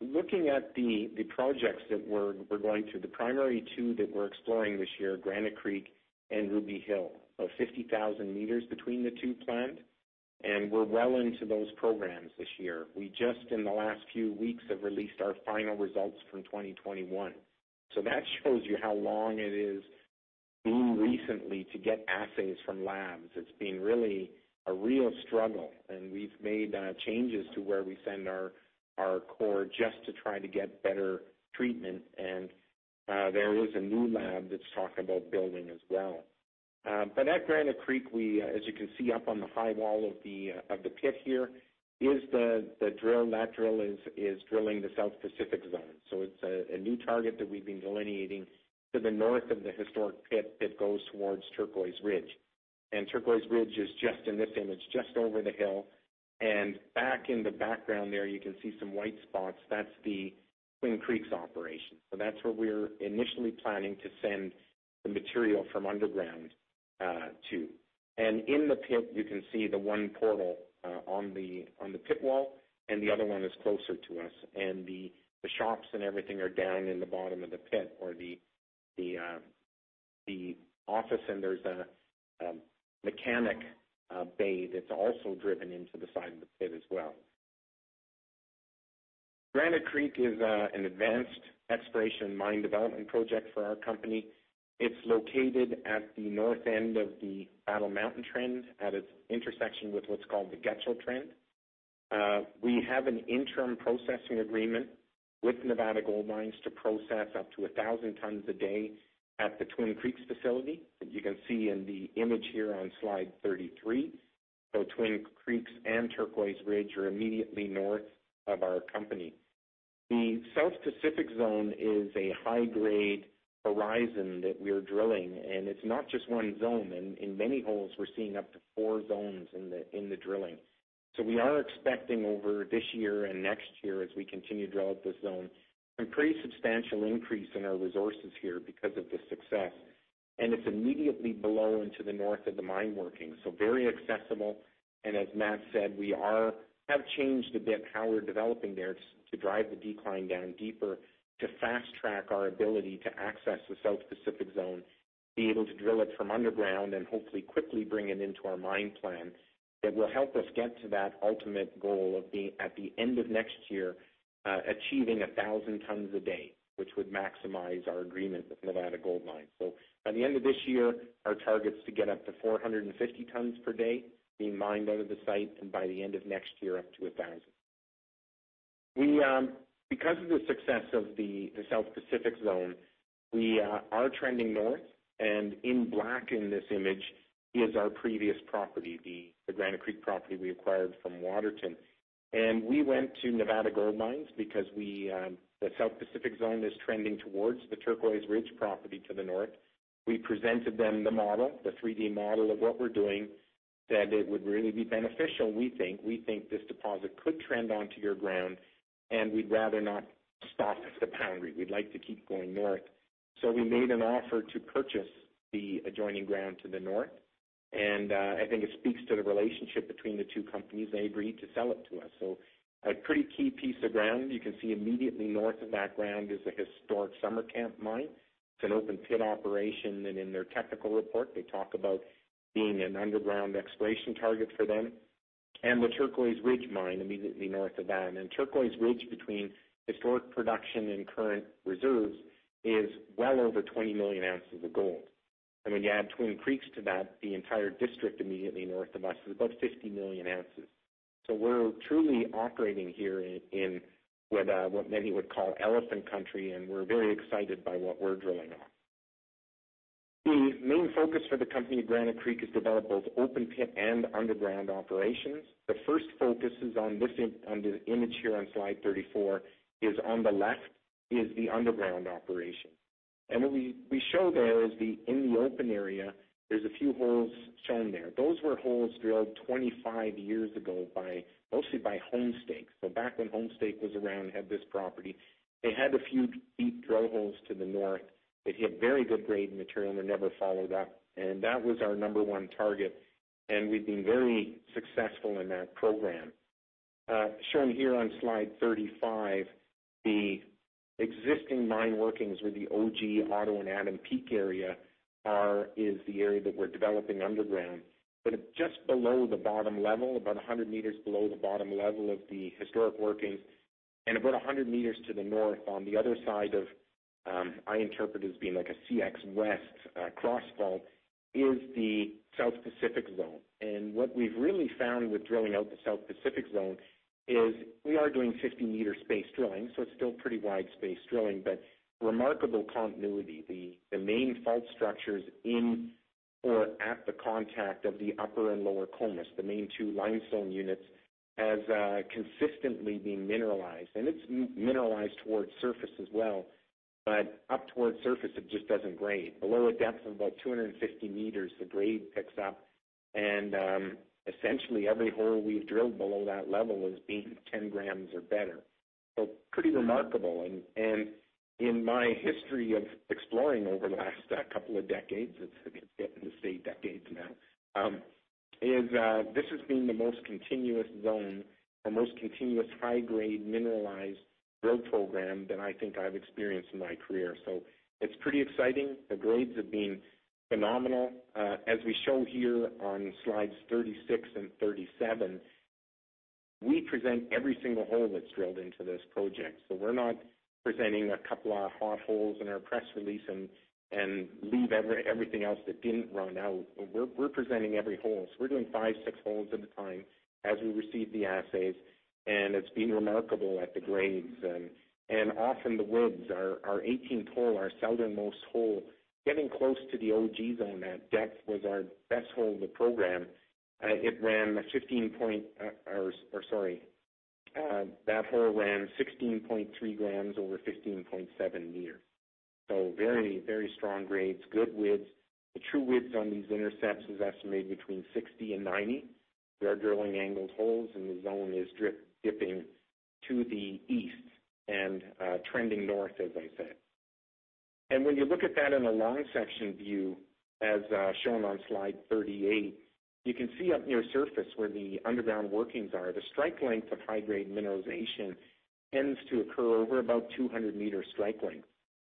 Looking at the projects that we're going to, the primary two that we're exploring this year, Granite Creek and Ruby Hill. About 50,000 m between the two planned, and we're well into those programs this year. We just, in the last few weeks, have released our final results from 2021. That shows you how long it is, even recently, to get assays from labs. It's been really a real struggle. We've made changes to where we send our core just to try to get better treatment. There is a new lab that's talking about building as well. At Granite Creek, as you can see up on the high wall of the pit here is the drill. That drill is drilling the South Pacific Zone. So it's a new target that we've been delineating to the north of the historic pit that goes towards Turquoise Ridge. Turquoise Ridge is just in this image, just over the hill. Back in the background there, you can see some white spots. That's the Twin Creeks operation. That's where we're initially planning to send the material from underground to. In the pit, you can see the one portal on the pit wall, and the other one is closer to us. The shops and everything are down in the bottom of the pit, or the office. There's a mechanic bay that's also driven into the side of the pit as well. Granite Creek is an advanced exploration mine development project for our company. It's located at the north end of the Battle Mountain Trend, at its intersection with what's called the Getchell Trend. We have an interim processing agreement with Nevada Gold Mines to process up to 1,000 tons a day at the Twin Creeks facility that you can see in the image here on slide 33. Twin Creeks and Turquoise Ridge are immediately north of our company. The South Pacific Zone is a high-grade horizon that we're drilling, and it's not just one zone. In many holes, we're seeing up to four zones in the drilling. We are expecting over this year and next year, as we continue to drill out this zone, a pretty substantial increase in our resources here because of this success. It's immediately below and to the north of the mine working. Very accessible. As Matt said, we have changed a bit how we're developing there to drive the decline down deeper to fast track our ability to access the South Pacific Zone, be able to drill it from underground, and hopefully quickly bring it into our mine plan. That will help us get to that ultimate goal of being at the end of next year, achieving 1,000 tons a day, which would maximize our agreement with Nevada Gold Mines. By the end of this year, our target's to get up to 450 tons per day being mined out of the site, and by the end of next year, up to 1,000. Because of the success of the South Pacific Zone, we are trending north, and in black in this image is our previous property, the Granite Creek property we acquired from Waterton. We went to Nevada Gold Mines because the South Pacific Zone is trending towards the Turquoise Ridge property to the north. We presented them the model, the 3D model of what we're doing, that it would really be beneficial, we think. We think this deposit could trend onto your ground, and we'd rather not stop at the boundary. We'd like to keep going north. We made an offer to purchase the adjoining ground to the north, and I think it speaks to the relationship between the two companies. They agreed to sell it to us. A pretty key piece of ground. You can see immediately north of that ground is a historic Summer Camp Mine. It's an open pit operation, and in their technical report, they talk about being an underground exploration target for them. The Turquoise Ridge Mine immediately north of that. Turquoise Ridge, between historic production and current reserves, is well over 20 million ounces of gold. When you add Twin Creeks to that, the entire district immediately north of us is about 50 million ounces. We're truly operating here in what many would call elephant country, and we're very excited by what we're drilling on. The main focus for the company at Granite Creek is to develop both open pit and underground operations. The first focus on the image here on slide 34 is on the left, is the underground operation. What we show there is, in the open area, there's a few holes shown there. Those were holes drilled 25 years ago, mostly by Homestake. Back when Homestake was around and had this property, they had a few deep drill holes to the north that hit very good grade material and were never followed up, and that was our number one target, and we've been very successful in that program. Shown here on slide 35, the existing mine workings with the Ogee, Otto, and Adam Peak area is the area that we're developing underground. Just below the bottom level, about 100 m below the bottom level of the historic workings, and about 100 m to the north on the other side of, I interpret as being like a CX West fault, is the South Pacific Zone. What we've really found with drilling out the South Pacific Zone is we are doing 50 m spaced drilling, so it's still pretty wide-spaced drilling, but remarkable continuity. The main fault structures in or at the contact of the upper and lower Comus, the main two limestone units, has consistently been mineralized. It's mineralized towards surface as well. Up towards surface, it just doesn't grade. Below a depth of about 250 m, the grade picks up, and essentially every hole we've drilled below that level has been 10 g or better. Pretty remarkable. In my history of exploring over the last couple of decades, it's getting to be decades now, this has been the most continuous zone or most continuous high-grade mineralized drill program that I think I've experienced in my career. It's pretty exciting. The grades have been phenomenal. As we show here on slides 36 and 37, we present every single hole that's drilled into this project. We're not presenting a couple of hot holes in our press release and leave everything else that didn't pan out. We're presenting every hole. We're doing five, six holes at a time as we receive the assays, and it's been remarkable at the grades. Off in the woods, our 18-hole, our southernmost hole, getting close to the Ogee Zone at depth was our best hole of the program. That hole ran 16.3 g over 15.7 m. Very strong grades, good widths. The true widths on these intercepts is estimated between 60%-90%. We are drilling angled holes, and the zone is dipping to the east and trending north, as I said. When you look at that in a long section view, as shown on slide 38, you can see up near surface where the underground workings are. The strike length of high-grade mineralization tends to occur over about 200 m strike length.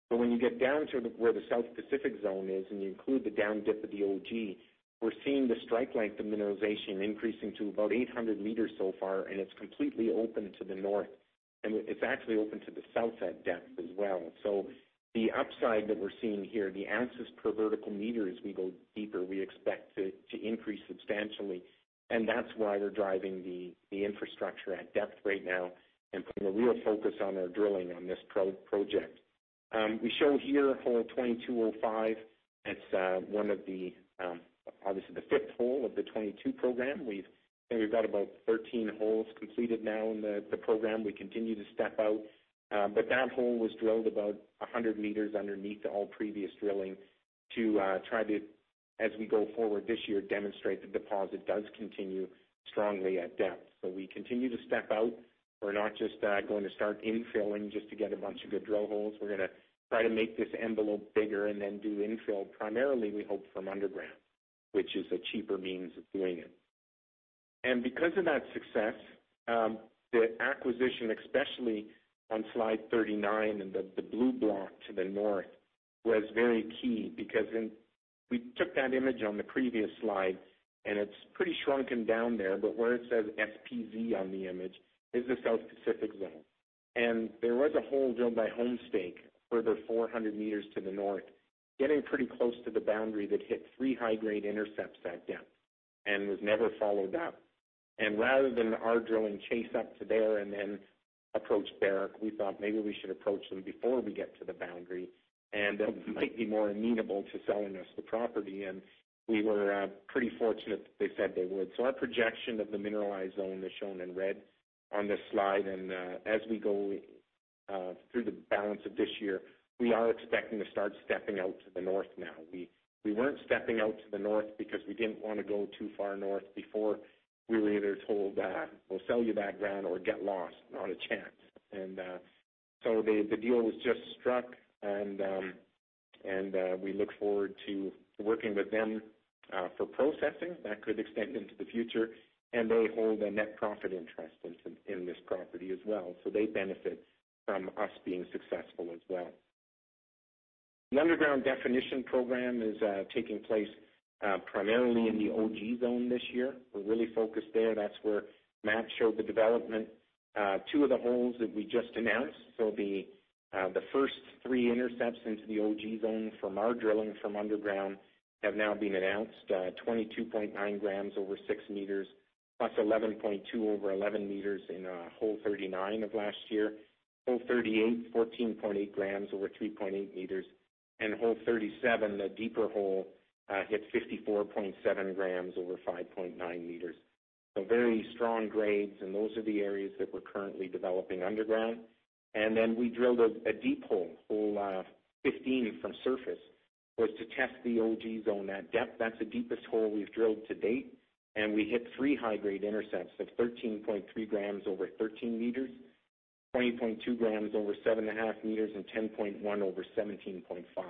When you get down to where the South Pacific Zone is and you include the down dip of the Ogee, we're seeing the strike length of mineralization increasing to about 800 m so far, and it's completely open to the north. It's actually open to the south at depth as well. The upside that we're seeing here, the ounces per vertical meter as we go deeper, we expect to increase substantially, and that's why we're driving the infrastructure at depth right now and putting a real focus on our drilling on this project. We show here hole 2205. It's obviously the fifth hole of the 2022 program. I think we've got about 13 holes completed now in the program. We continue to step out. That hole was drilled about 100 m underneath all previous drilling to try to, as we go forward this year, demonstrate the deposit does continue strongly at depth. We continue to step out. We're not just going to start infilling just to get a bunch of good drill holes. We're going to try to make this envelope bigger and then do infill, primarily, we hope, from underground, which is a cheaper means of doing it. Because of that success, the acquisition, especially on slide 39 in the blue block to the north, was very key because we took that image on the previous slide, and it's pretty shrunken down there, but where it says SPZ on the image is the South Pacific Zone. There was a hole drilled by Homestake further 400 m to the north, getting pretty close to the boundary that hit three high-grade intercepts at depth and was never followed up. Rather than our drilling chase up to there and then approach Barrick, we thought maybe we should approach them before we get to the boundary, and they might be more amenable to selling us the property. We were pretty fortunate that they said they would. Our projection of the mineralized zone is shown in red on this slide. As we go through the balance of this year, we are expecting to start stepping out to the north now. We weren't stepping out to the north because we didn't want to go too far north before we were either told, "We'll sell you that ground" or, "Get lost. Not a chance. The deal was just struck, and we look forward to working with them for processing. That could extend into the future. They hold a net profit interest in this property as well. They benefit from us being successful as well. An underground definition program is taking place primarily in the Ogee Zone this year. We're really focused there. That's where Matt showed the development. Two of the holes that we just announced, the first three intercepts into the Ogee Zone from our drilling from underground have now been announced, 22.9 g over 6 m, plus 11.2 g over 11 m in hole 39 of last year. Hole 38, 14.8 g over 3.8 m. Hole 37, a deeper hole, hit 54.7 g over 5.9 m. Very strong grades, and those are the areas that we're currently developing underground. We drilled a deep hole 15 from surface, was to test the Ogee Zone at depth. That's the deepest hole we've drilled to date, and we hit three high-grade intercepts of 13.3 g over 13 m, 20.2 g over 7.5 m, and 10.1 g over 17.5 m.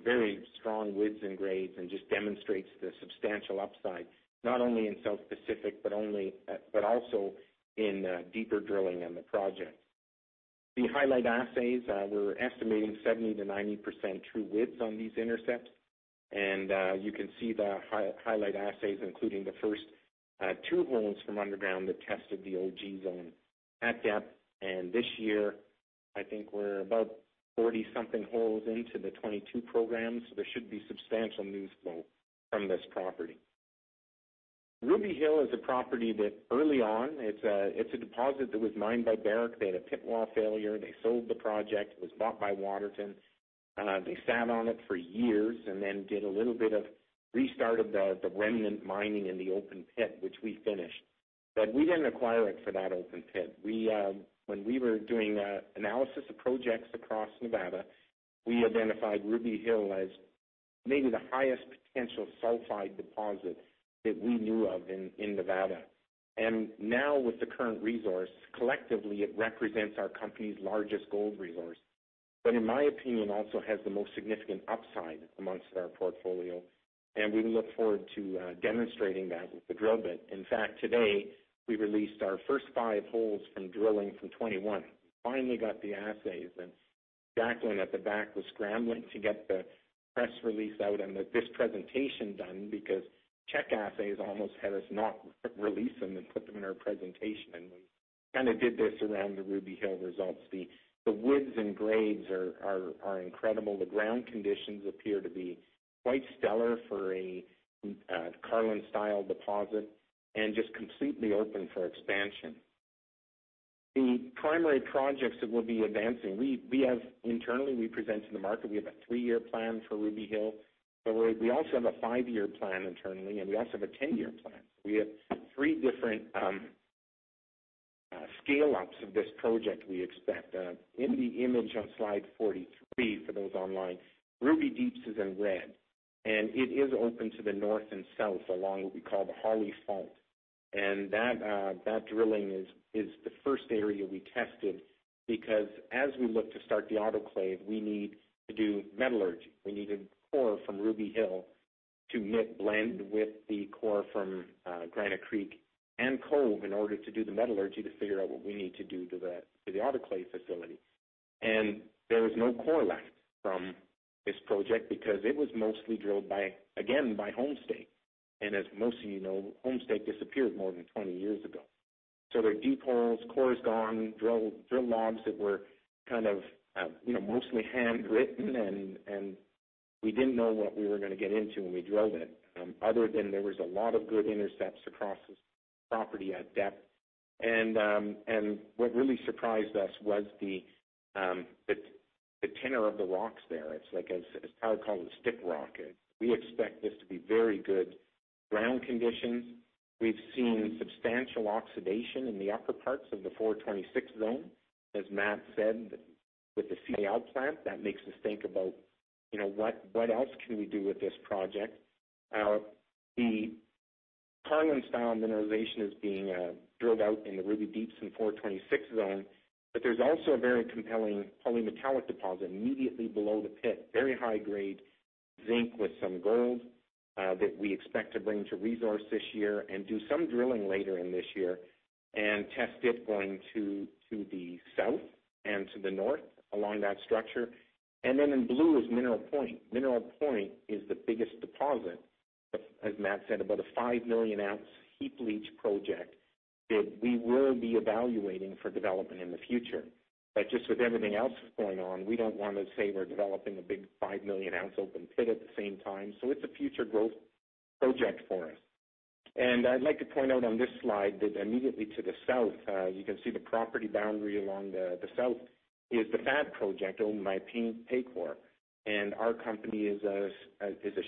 Very strong widths and grades and just demonstrates the substantial upside, not only in South Pacific, but also in deeper drilling on the project. The highlight assays, we're estimating 70%-90% true widths on these intercepts, and you can see the highlight assays, including the first two holes from underground that tested the Ogee Zone at depth. This year, I think we're about 40-something holes into the 2022 programs. There should be substantial news flow from this property. Ruby Hill is a property that early on, it's a deposit that was mined by Barrick. They had a pit wall failure. They sold the project. It was bought by Waterton. They sat on it for years and then did a little bit of restart of the remnant mining in the open pit, which we finished. We didn't acquire it for that open pit. When we were doing analysis of projects across Nevada, we identified Ruby Hill as maybe the highest potential sulfide deposit that we knew of in Nevada. Now with the current resource, collectively, it represents our company's largest gold resource. In my opinion, also has the most significant upside among our portfolio, and we look forward to demonstrating that with the drill bit. In fact, today we released our first five holes from drilling from 2021. Finally got the assays, and Jacqueline at the back was scrambling to get the press release out and this presentation done because check assays almost had us not release them and put them in our presentation. We did this around the Ruby Hill results. The widths and grades are incredible. The ground conditions appear to be quite stellar for a Carlin-style deposit and just completely open for expansion. The primary projects that we'll be advancing, internally, we present to the market. We have a three-year plan for Ruby Hill, but we also have a five-year plan internally, and we also have a 10-year plan. We have three different scale-ups of this project we expect. In the image on slide 43 for those online, Ruby Deeps is in red, and it is open to the north and south along what we call the Archimedes Fault. That drilling is the first area we tested because as we look to start the autoclave, we need to do metallurgy. We need a core from Ruby Hill to blend with the core from Granite Creek and Cove in order to do the metallurgy to figure out what we need to do to the autoclave facility. There was no core left from this project because it was mostly drilled, again, by Homestake. As most of you know, Homestake disappeared more than 20 years ago. Their deep holes, core is gone, drill logs that were mostly handwritten, and we didn't know what we were going to get into when we drilled it, other than there was a lot of good intercepts across the property at depth. What really surprised us was the tenor of the rocks there. It's like, as Tyler called it, stick rock. We expect this to be very good ground conditions. We've seen substantial oxidation in the upper parts of the 426 Zone. As Matt said, with the CIL plant, that makes us think about, what else can we do with this project? The Carlin-style mineralization is being drilled out in the Ruby Deeps and 426 Zone, but there's also a very compelling polymetallic deposit immediately below the pit, very high grade zinc with some gold, that we expect to bring to resource this year and do some drilling later in this year and test it going to the south and to the north along that structure. In blue is Mineral Point. Mineral Point is the biggest deposit, as Matt said, about a 5 million ounce heap leach project that we will be evaluating for development in the future. Just with everything else that's going on, we don't want to say we're developing a big 5 million ounce open pit at the same time. It's a future growth project for us. I'd like to point out on this slide that immediately to the south, you can see the property boundary along the south is the FAD project owned by Paycore. Our company is a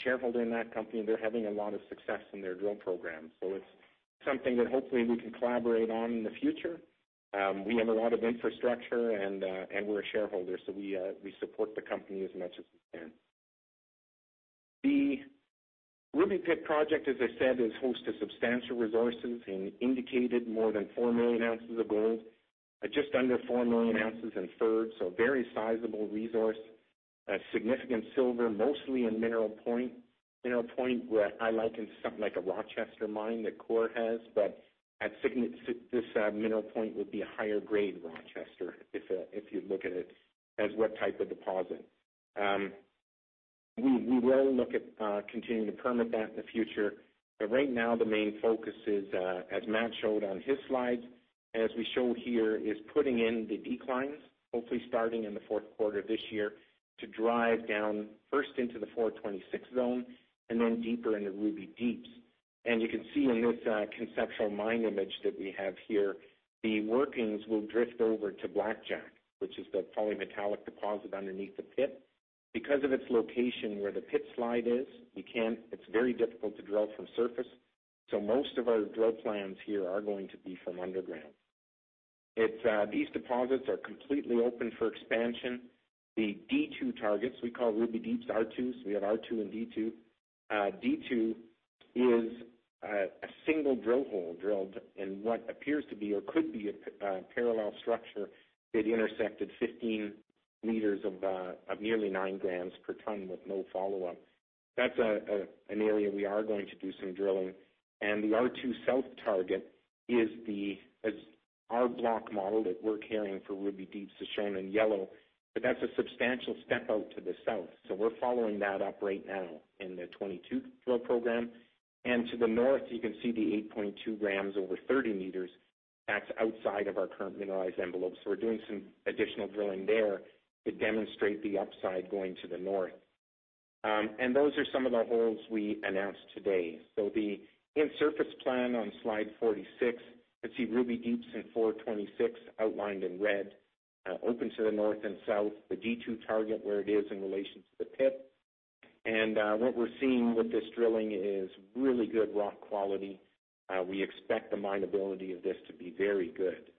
shareholder in that company, and they're having a lot of success in their drill program. It's something that hopefully we can collaborate on in the future. We have a lot of infrastructure, and we're a shareholder, so we support the company as much as we can. The Ruby Hill project, as I said, is host to substantial resources and Indicated more than 4 million ounces of gold at just under 4 million ounces in Inferred. A very sizable resource. A significant silver, mostly in Mineral Point, where I liken something like a Rochester mine that Coeur has. This Mineral Point would be a higher grade Rochester if you look at it as what type of deposit. We will look at continuing to permit that in the future. Right now, the main focus is, as Matt showed on his slides, as we show here, is putting in the declines, hopefully starting in the fourth quarter of this year to drive down first into the 426 Zone and then deeper into Ruby Deeps. You can see in this conceptual mine image that we have here, the workings will drift over to Blackjack, which is the polymetallic deposit underneath the pit. Because of its location where the pit slide is, it's very difficult to drill from surface, so most of our drill plans here are going to be from underground. These deposits are completely open for expansion. The D2 targets, we call Ruby Deeps R2s. We have R2 and D2. D2 is a single drill hole drilled in what appears to be or could be a parallel structure that intersected 15 m of nearly 9 g per tonne with no follow-up. That's an area we are going to do some drilling. The R2 South target is our block model that we're carrying for Ruby Deep, so shown in yellow. That's a substantial step out to the south. We're following that up right now in the 2022 drill program. To the north, you can see the 8.2 g over 30 m. That's outside of our current mineralized envelope. We're doing some additional drilling there to demonstrate the upside going to the north. Those are some of the holes we announced today. The in-surface plan on slide 46, you can see Ruby Deeps in 426 outlined in red, open to the north and south, the D2 target where it is in relation to the pit. What we're seeing with this drilling is really good rock quality. We expect the mineability of this to be very good,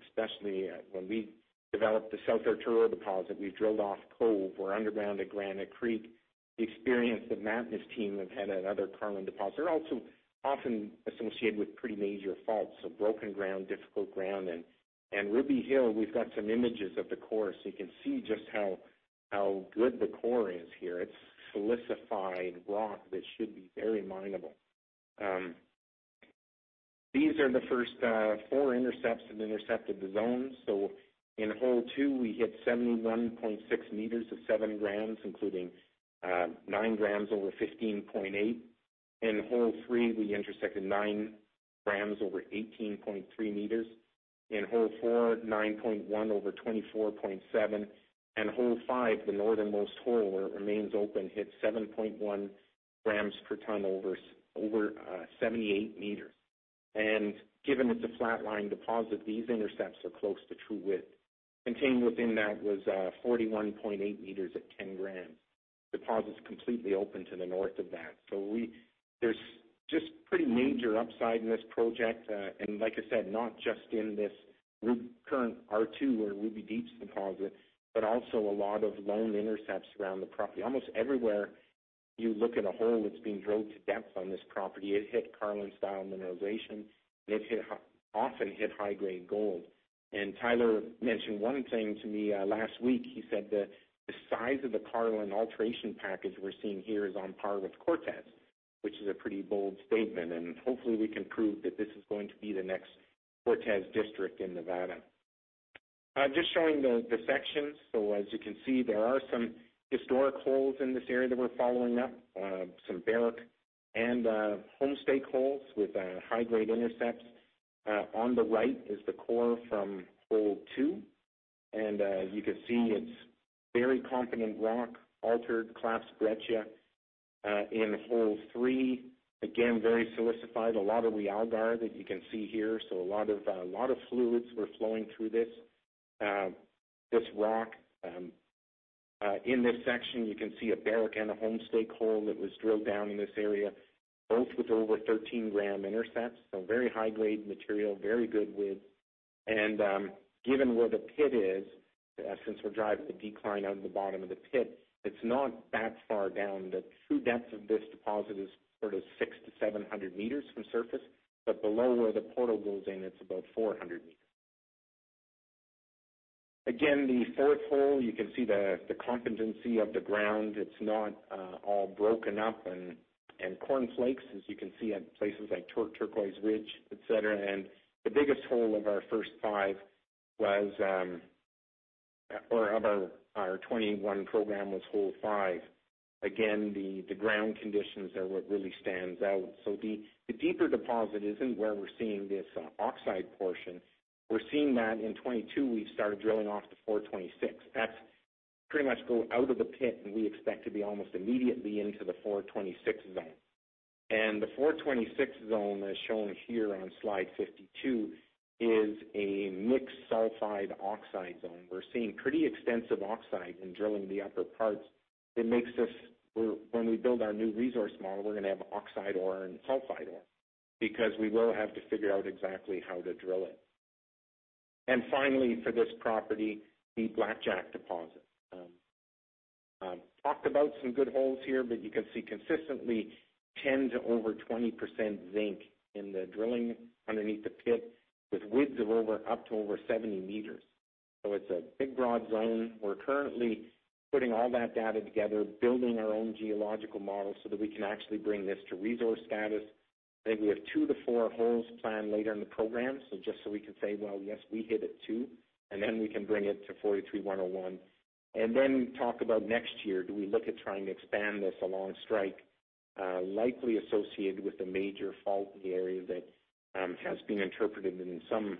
especially when we developed the South Arturo deposit, we drilled off Cove. We're underground at Granite Creek. The experience the Matt team have had at other Carlin deposits are also often associated with pretty major faults. Broken ground, difficult ground. Ruby Hill, we've got some images of the core, so you can see just how good the core is here. It's silicified rock that should be very mineable. These are the first four intercepts that intercepted the zone. In hole two, we hit 71.6 m of 7 g, including 9 g over 15.8 m. In hole three, we intersected 9 g over 18.3 m. In hole 4, 9.1 g over 24.7 m. In hole 5, the northernmost hole, where it remains open, hit 7.1 g per tonne over 78 m. Given it's a flat-lying deposit, these intercepts are close to true width. Contained within that was 41.8 m at 10 g. Deposit's completely open to the north of that. There's just pretty major upside in this project. Like I said, not just in this current R2 or Ruby Deeps deposit, but also a lot of long intercepts around the property. Almost everywhere you look at a hole that's been drilled to depth on this property, it hit Carlin-style mineralization, and it often hit high-grade gold. Tyler mentioned one thing to me last week. He said the size of the Carlin alteration package we're seeing here is on par with Cortez, which is a pretty bold statement, and hopefully we can prove that this is going to be the next Cortez District in Nevada. Just showing the sections. As you can see, there are some historic holes in this area that we're following up, some Barrick and Homestake holes with high-grade intercepts. On the right is the core from hole two, and as you can see, it's very competent rock, altered clast breccia. In hole three, again, very silicified, a lot of realgar that you can see here. A lot of fluids were flowing through this rock. In this section, you can see a Barrick and a Homestake hole that was drilled down in this area, both with over 13 g intercepts. Very high-grade material, very good width. Given where the pit is, since we're driving the decline out of the bottom of the pit, it's not that far down. The true depth of this deposit is sort of 600 m-700 m from surface, but below where the portal goes in, it's about 400 m. Again, the fourth hole, you can see the competency of the ground. It's not all broken up and cornflakes, as you can see at places like Turquoise Ridge, et cetera. The biggest hole of our first five of our 21 program was hole 5. Again, the ground conditions are what really stands out. The deeper deposit isn't where we're seeing this oxide portion. We're seeing that in 2022, we've started drilling off the 426. That's pretty much right out of the pit, and we expect to be almost immediately into the 426 Zone. The 426 Zone, as shown here on slide 52, is a mixed sulfide oxide zone. We're seeing pretty extensive oxide in drilling the upper parts. When we build our new resource model, we're going to have oxide ore and sulfide ore because we will have to figure out exactly how to drill it. Finally, for this property, the Blackjack Deposit. We've talked about some good holes here, but you can see consistently 10% to over 20% zinc in the drilling underneath the pit, with widths of up to over 70 m. It's a big, broad zone. We're currently putting all that data together, building our own geological model so that we can actually bring this to resource status. I think we have two to four holes planned later in the program. Just so we can say, "Well, yes, we hit it too," and then we can bring it to 43-101. Then talk about next year. Do we look at trying to expand this along strike? Likely associated with a major fault in the area that has been interpreted in some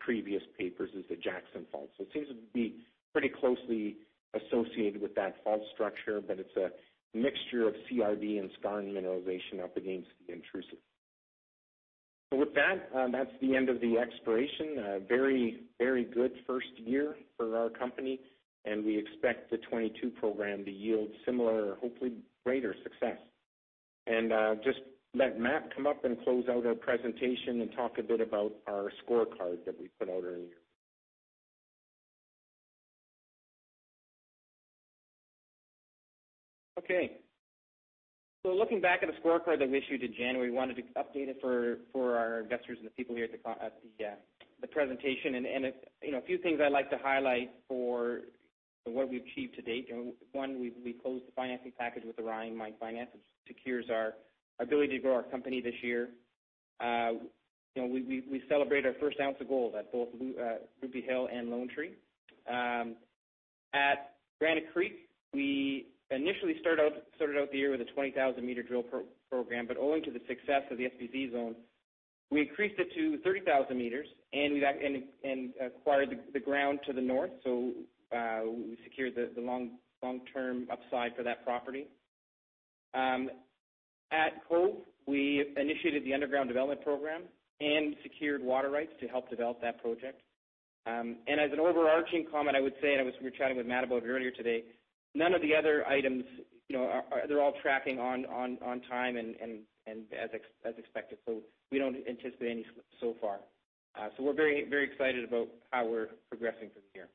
previous papers as the Jackson Fault. It seems to be pretty closely associated with that fault structure, but it's a mixture of CRD and skarn mineralization up against the intrusive. With that's the end of the exploration. A very good first year for our company, and we expect the 2022 program to yield similar or hopefully greater success. Just let Matt come up and close out our presentation and talk a bit about our scorecard that we put out earlier. Okay. Looking back at the scorecard that we issued in January, we wanted to update it for our investors and the people here at the presentation. A few things I'd like to highlight for what we've achieved to date. One, we closed the financing package with Orion Mine Finance, which secures our ability to grow our company this year. We celebrate our first ounce of gold at both Ruby Hill and Lone Tree. At Granite Creek, we initially started out the year with a 20,000-meter drill program. Owing to the success of the SPZ zone, we increased it to 30,000 m and acquired the ground to the north. We secured the long-term upside for that property. At Cove, we initiated the underground development program and secured water rights to help develop that project. As an overarching comment, I would say, and I was just chatting with Matt about it earlier today, none of the other items, they're all tracking on time and as expected. We don't anticipate any slips so far. We're very excited about how we're progressing through the year.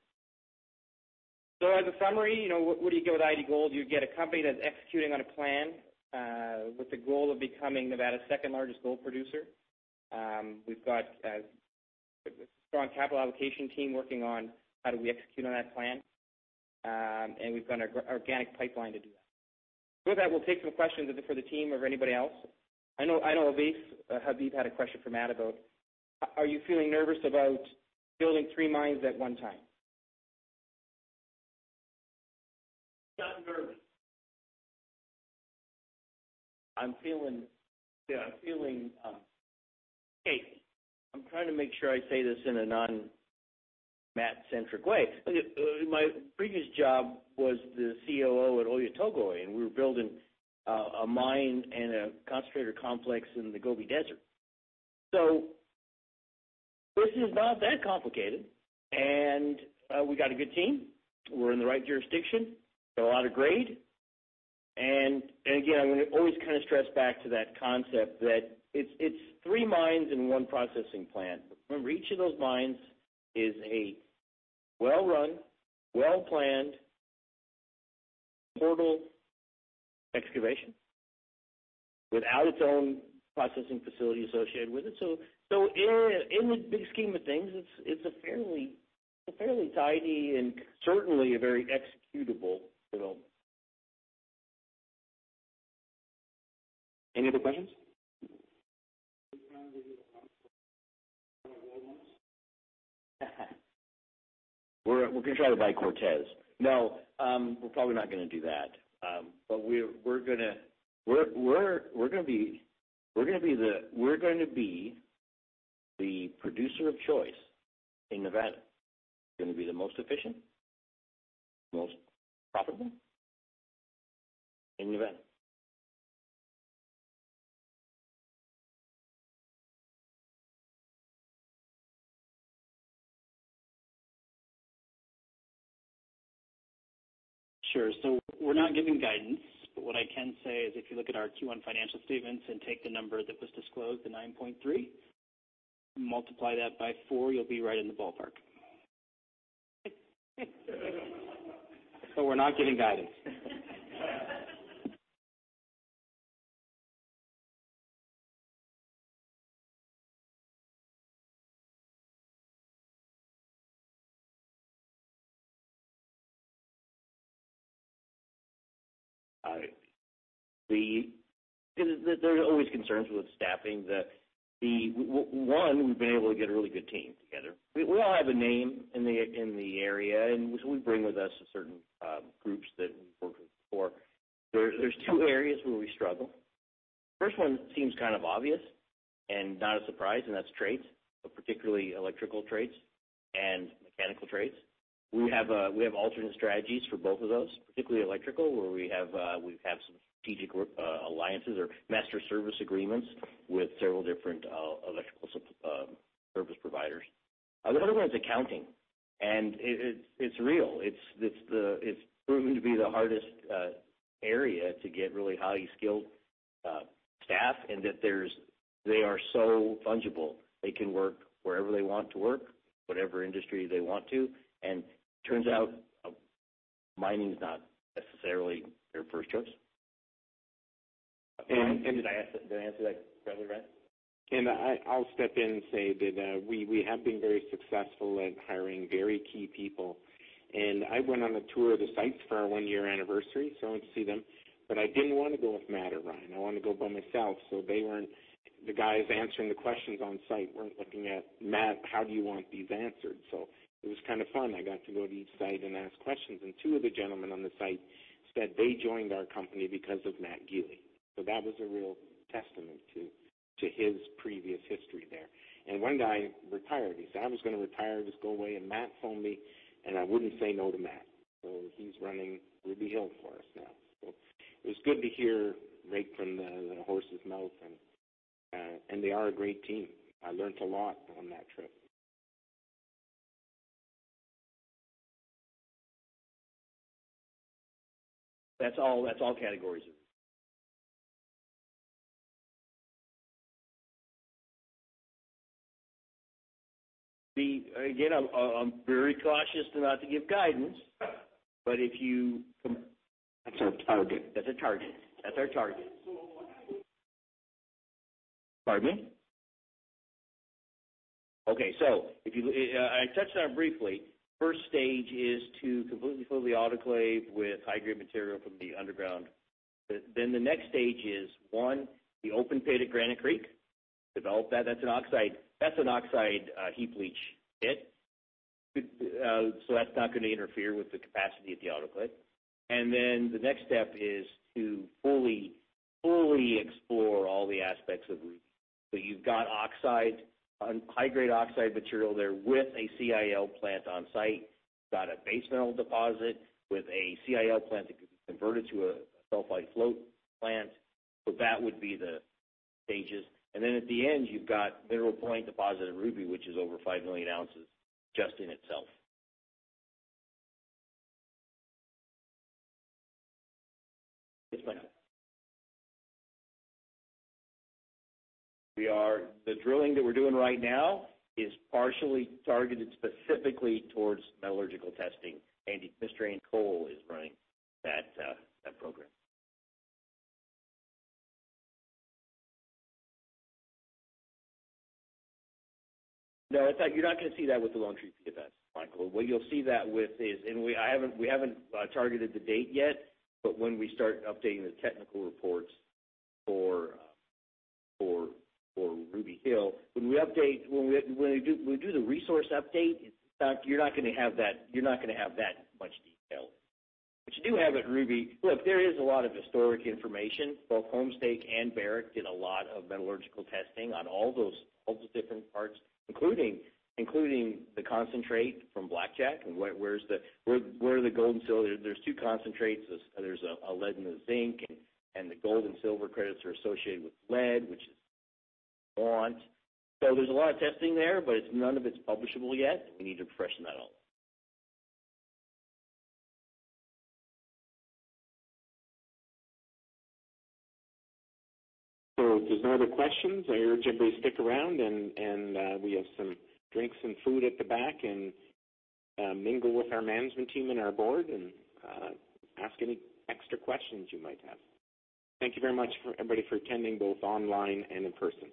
As a summary, what do you get with i-80 Gold? You get a company that's executing on a plan, with the goal of becoming Nevada's second-largest gold producer. We've got a strong capital allocation team working on how do we execute on that plan. We've got an organic pipeline to do that. With that, we'll take some questions, either for the team or anybody else. I know, Habib had a question for Matt about, are you feeling nervous about building three mines at one time? Not nervous. I'm feeling okay. I'm trying to make sure I say this in a non-Matt centric way. My previous job was the COO at Oyu Tolgoi, and we were building a mine and a concentrator complex in the Gobi Desert. This is not that complicated. We've got a good team. We're in the right jurisdiction. There's a lot of grade. Again, I'm going to always stress back to that concept that it's three mines and one processing plant. Remember, each of those mines is a well-run, well-planned portal excavation without its own processing facility associated with it. In the big scheme of things, it's a fairly tidy and certainly a very executable development. Any other questions? We're going to try to buy Cortez. No, we're probably not going to do that. We're going to be the producer of choice in Nevada. We're going to be the most efficient, most profitable in Nevada. Sure. We're not giving guidance, what I can say is if you look at our Q1 financial statements and take the number that was disclosed, the 9.3, multiply that by 4, you'll be right in the ballpark. We're not giving guidance. There's always concerns with staffing. One, we've been able to get a really good team together. We all have a name in the area, and so we bring with us certain groups that we've worked with before. There's two areas where we struggle. First one seems kind of obvious and not a surprise, and that's trades, but particularly electrical trades and mechanical trades. We have alternate strategies for both of those, particularly electrical, where we have some strategic alliances or master service agreements with several different electrical service providers. The other one's accounting, and it's real. It's proven to be the hardest area to get really highly skilled staff in that they are so fungible. They can work wherever they want to work, whatever industry they want to, and it turns out mining's not necessarily their first choice. Did I answer that fairly right? I'll step in and say that we have been very successful at hiring very key people. I went on a tour of the sites for our one-year anniversary, so I went to see them, but I didn't want to go with Matt or Ryan. I wanted to go by myself. The guys answering the questions on site weren't looking at Matt, "How do you want these answered?" It was kind of fun. I got to go to each site and ask questions. Two of the gentlemen on the site said they joined our company because of Matt Gili. That was a real testament to his previous history there. One guy retired. He said, "I was going to retire, just go away, and Matt phoned me, and I wouldn't say no to Matt." He's running Ruby Hill for us now. It was good to hear right from the horse's mouth, and they are a great team. I learned a lot on that trip. That's all categories. Again, I'm very cautious not to give guidance. If you com- That's our target. That's a target. That's our target. Pardon me? Okay. I touched on it briefly. First stage is to completely fill the autoclave with high-grade material from the underground. The next stage is, one, the open pit at Granite Creek, develop that. That's an oxide heap leach pit. That's not going to interfere with the capacity of the autoclave. The next step is to fully explore all the aspects of Ruby. You've got oxide, high-grade oxide material there with a CIL plant on site. You've got a base metal deposit with a CIL plant that could be converted to a sulfide flotation plant. That would be the stages. At the end, you've got Mineral Point deposit at Ruby, which is over 5 million ounces just in itself. Yes, Michael. The drilling that we're doing right now is partially targeted specifically towards metallurgical testing. Mr. Ian Cole is running that program. No, in fact, you're not going to see that with the Lone Tree pit, Michael. What you'll see that with is, and we haven't targeted the date yet, but when we start updating the technical reports for Ruby Hill. When we do the resource update, you're not going to have that much detail. What you do have at Ruby. Look, there is a lot of historic information. Both Homestake and Barrick did a lot of metallurgical testing on all those different parts, including the concentrate from Blackjack and where the gold and silver. There's two concentrates. There's a lead and a zinc and the gold and silver credits are associated with lead, which is what. So there's a lot of testing there, but none of it's publishable yet. We need to freshen that all up. If there's no other questions, I urge everybody to stick around and we have some drinks and food at the back. Mingle with our management team and our board and ask any extra questions you might have. Thank you very much, everybody, for attending, both online and in person.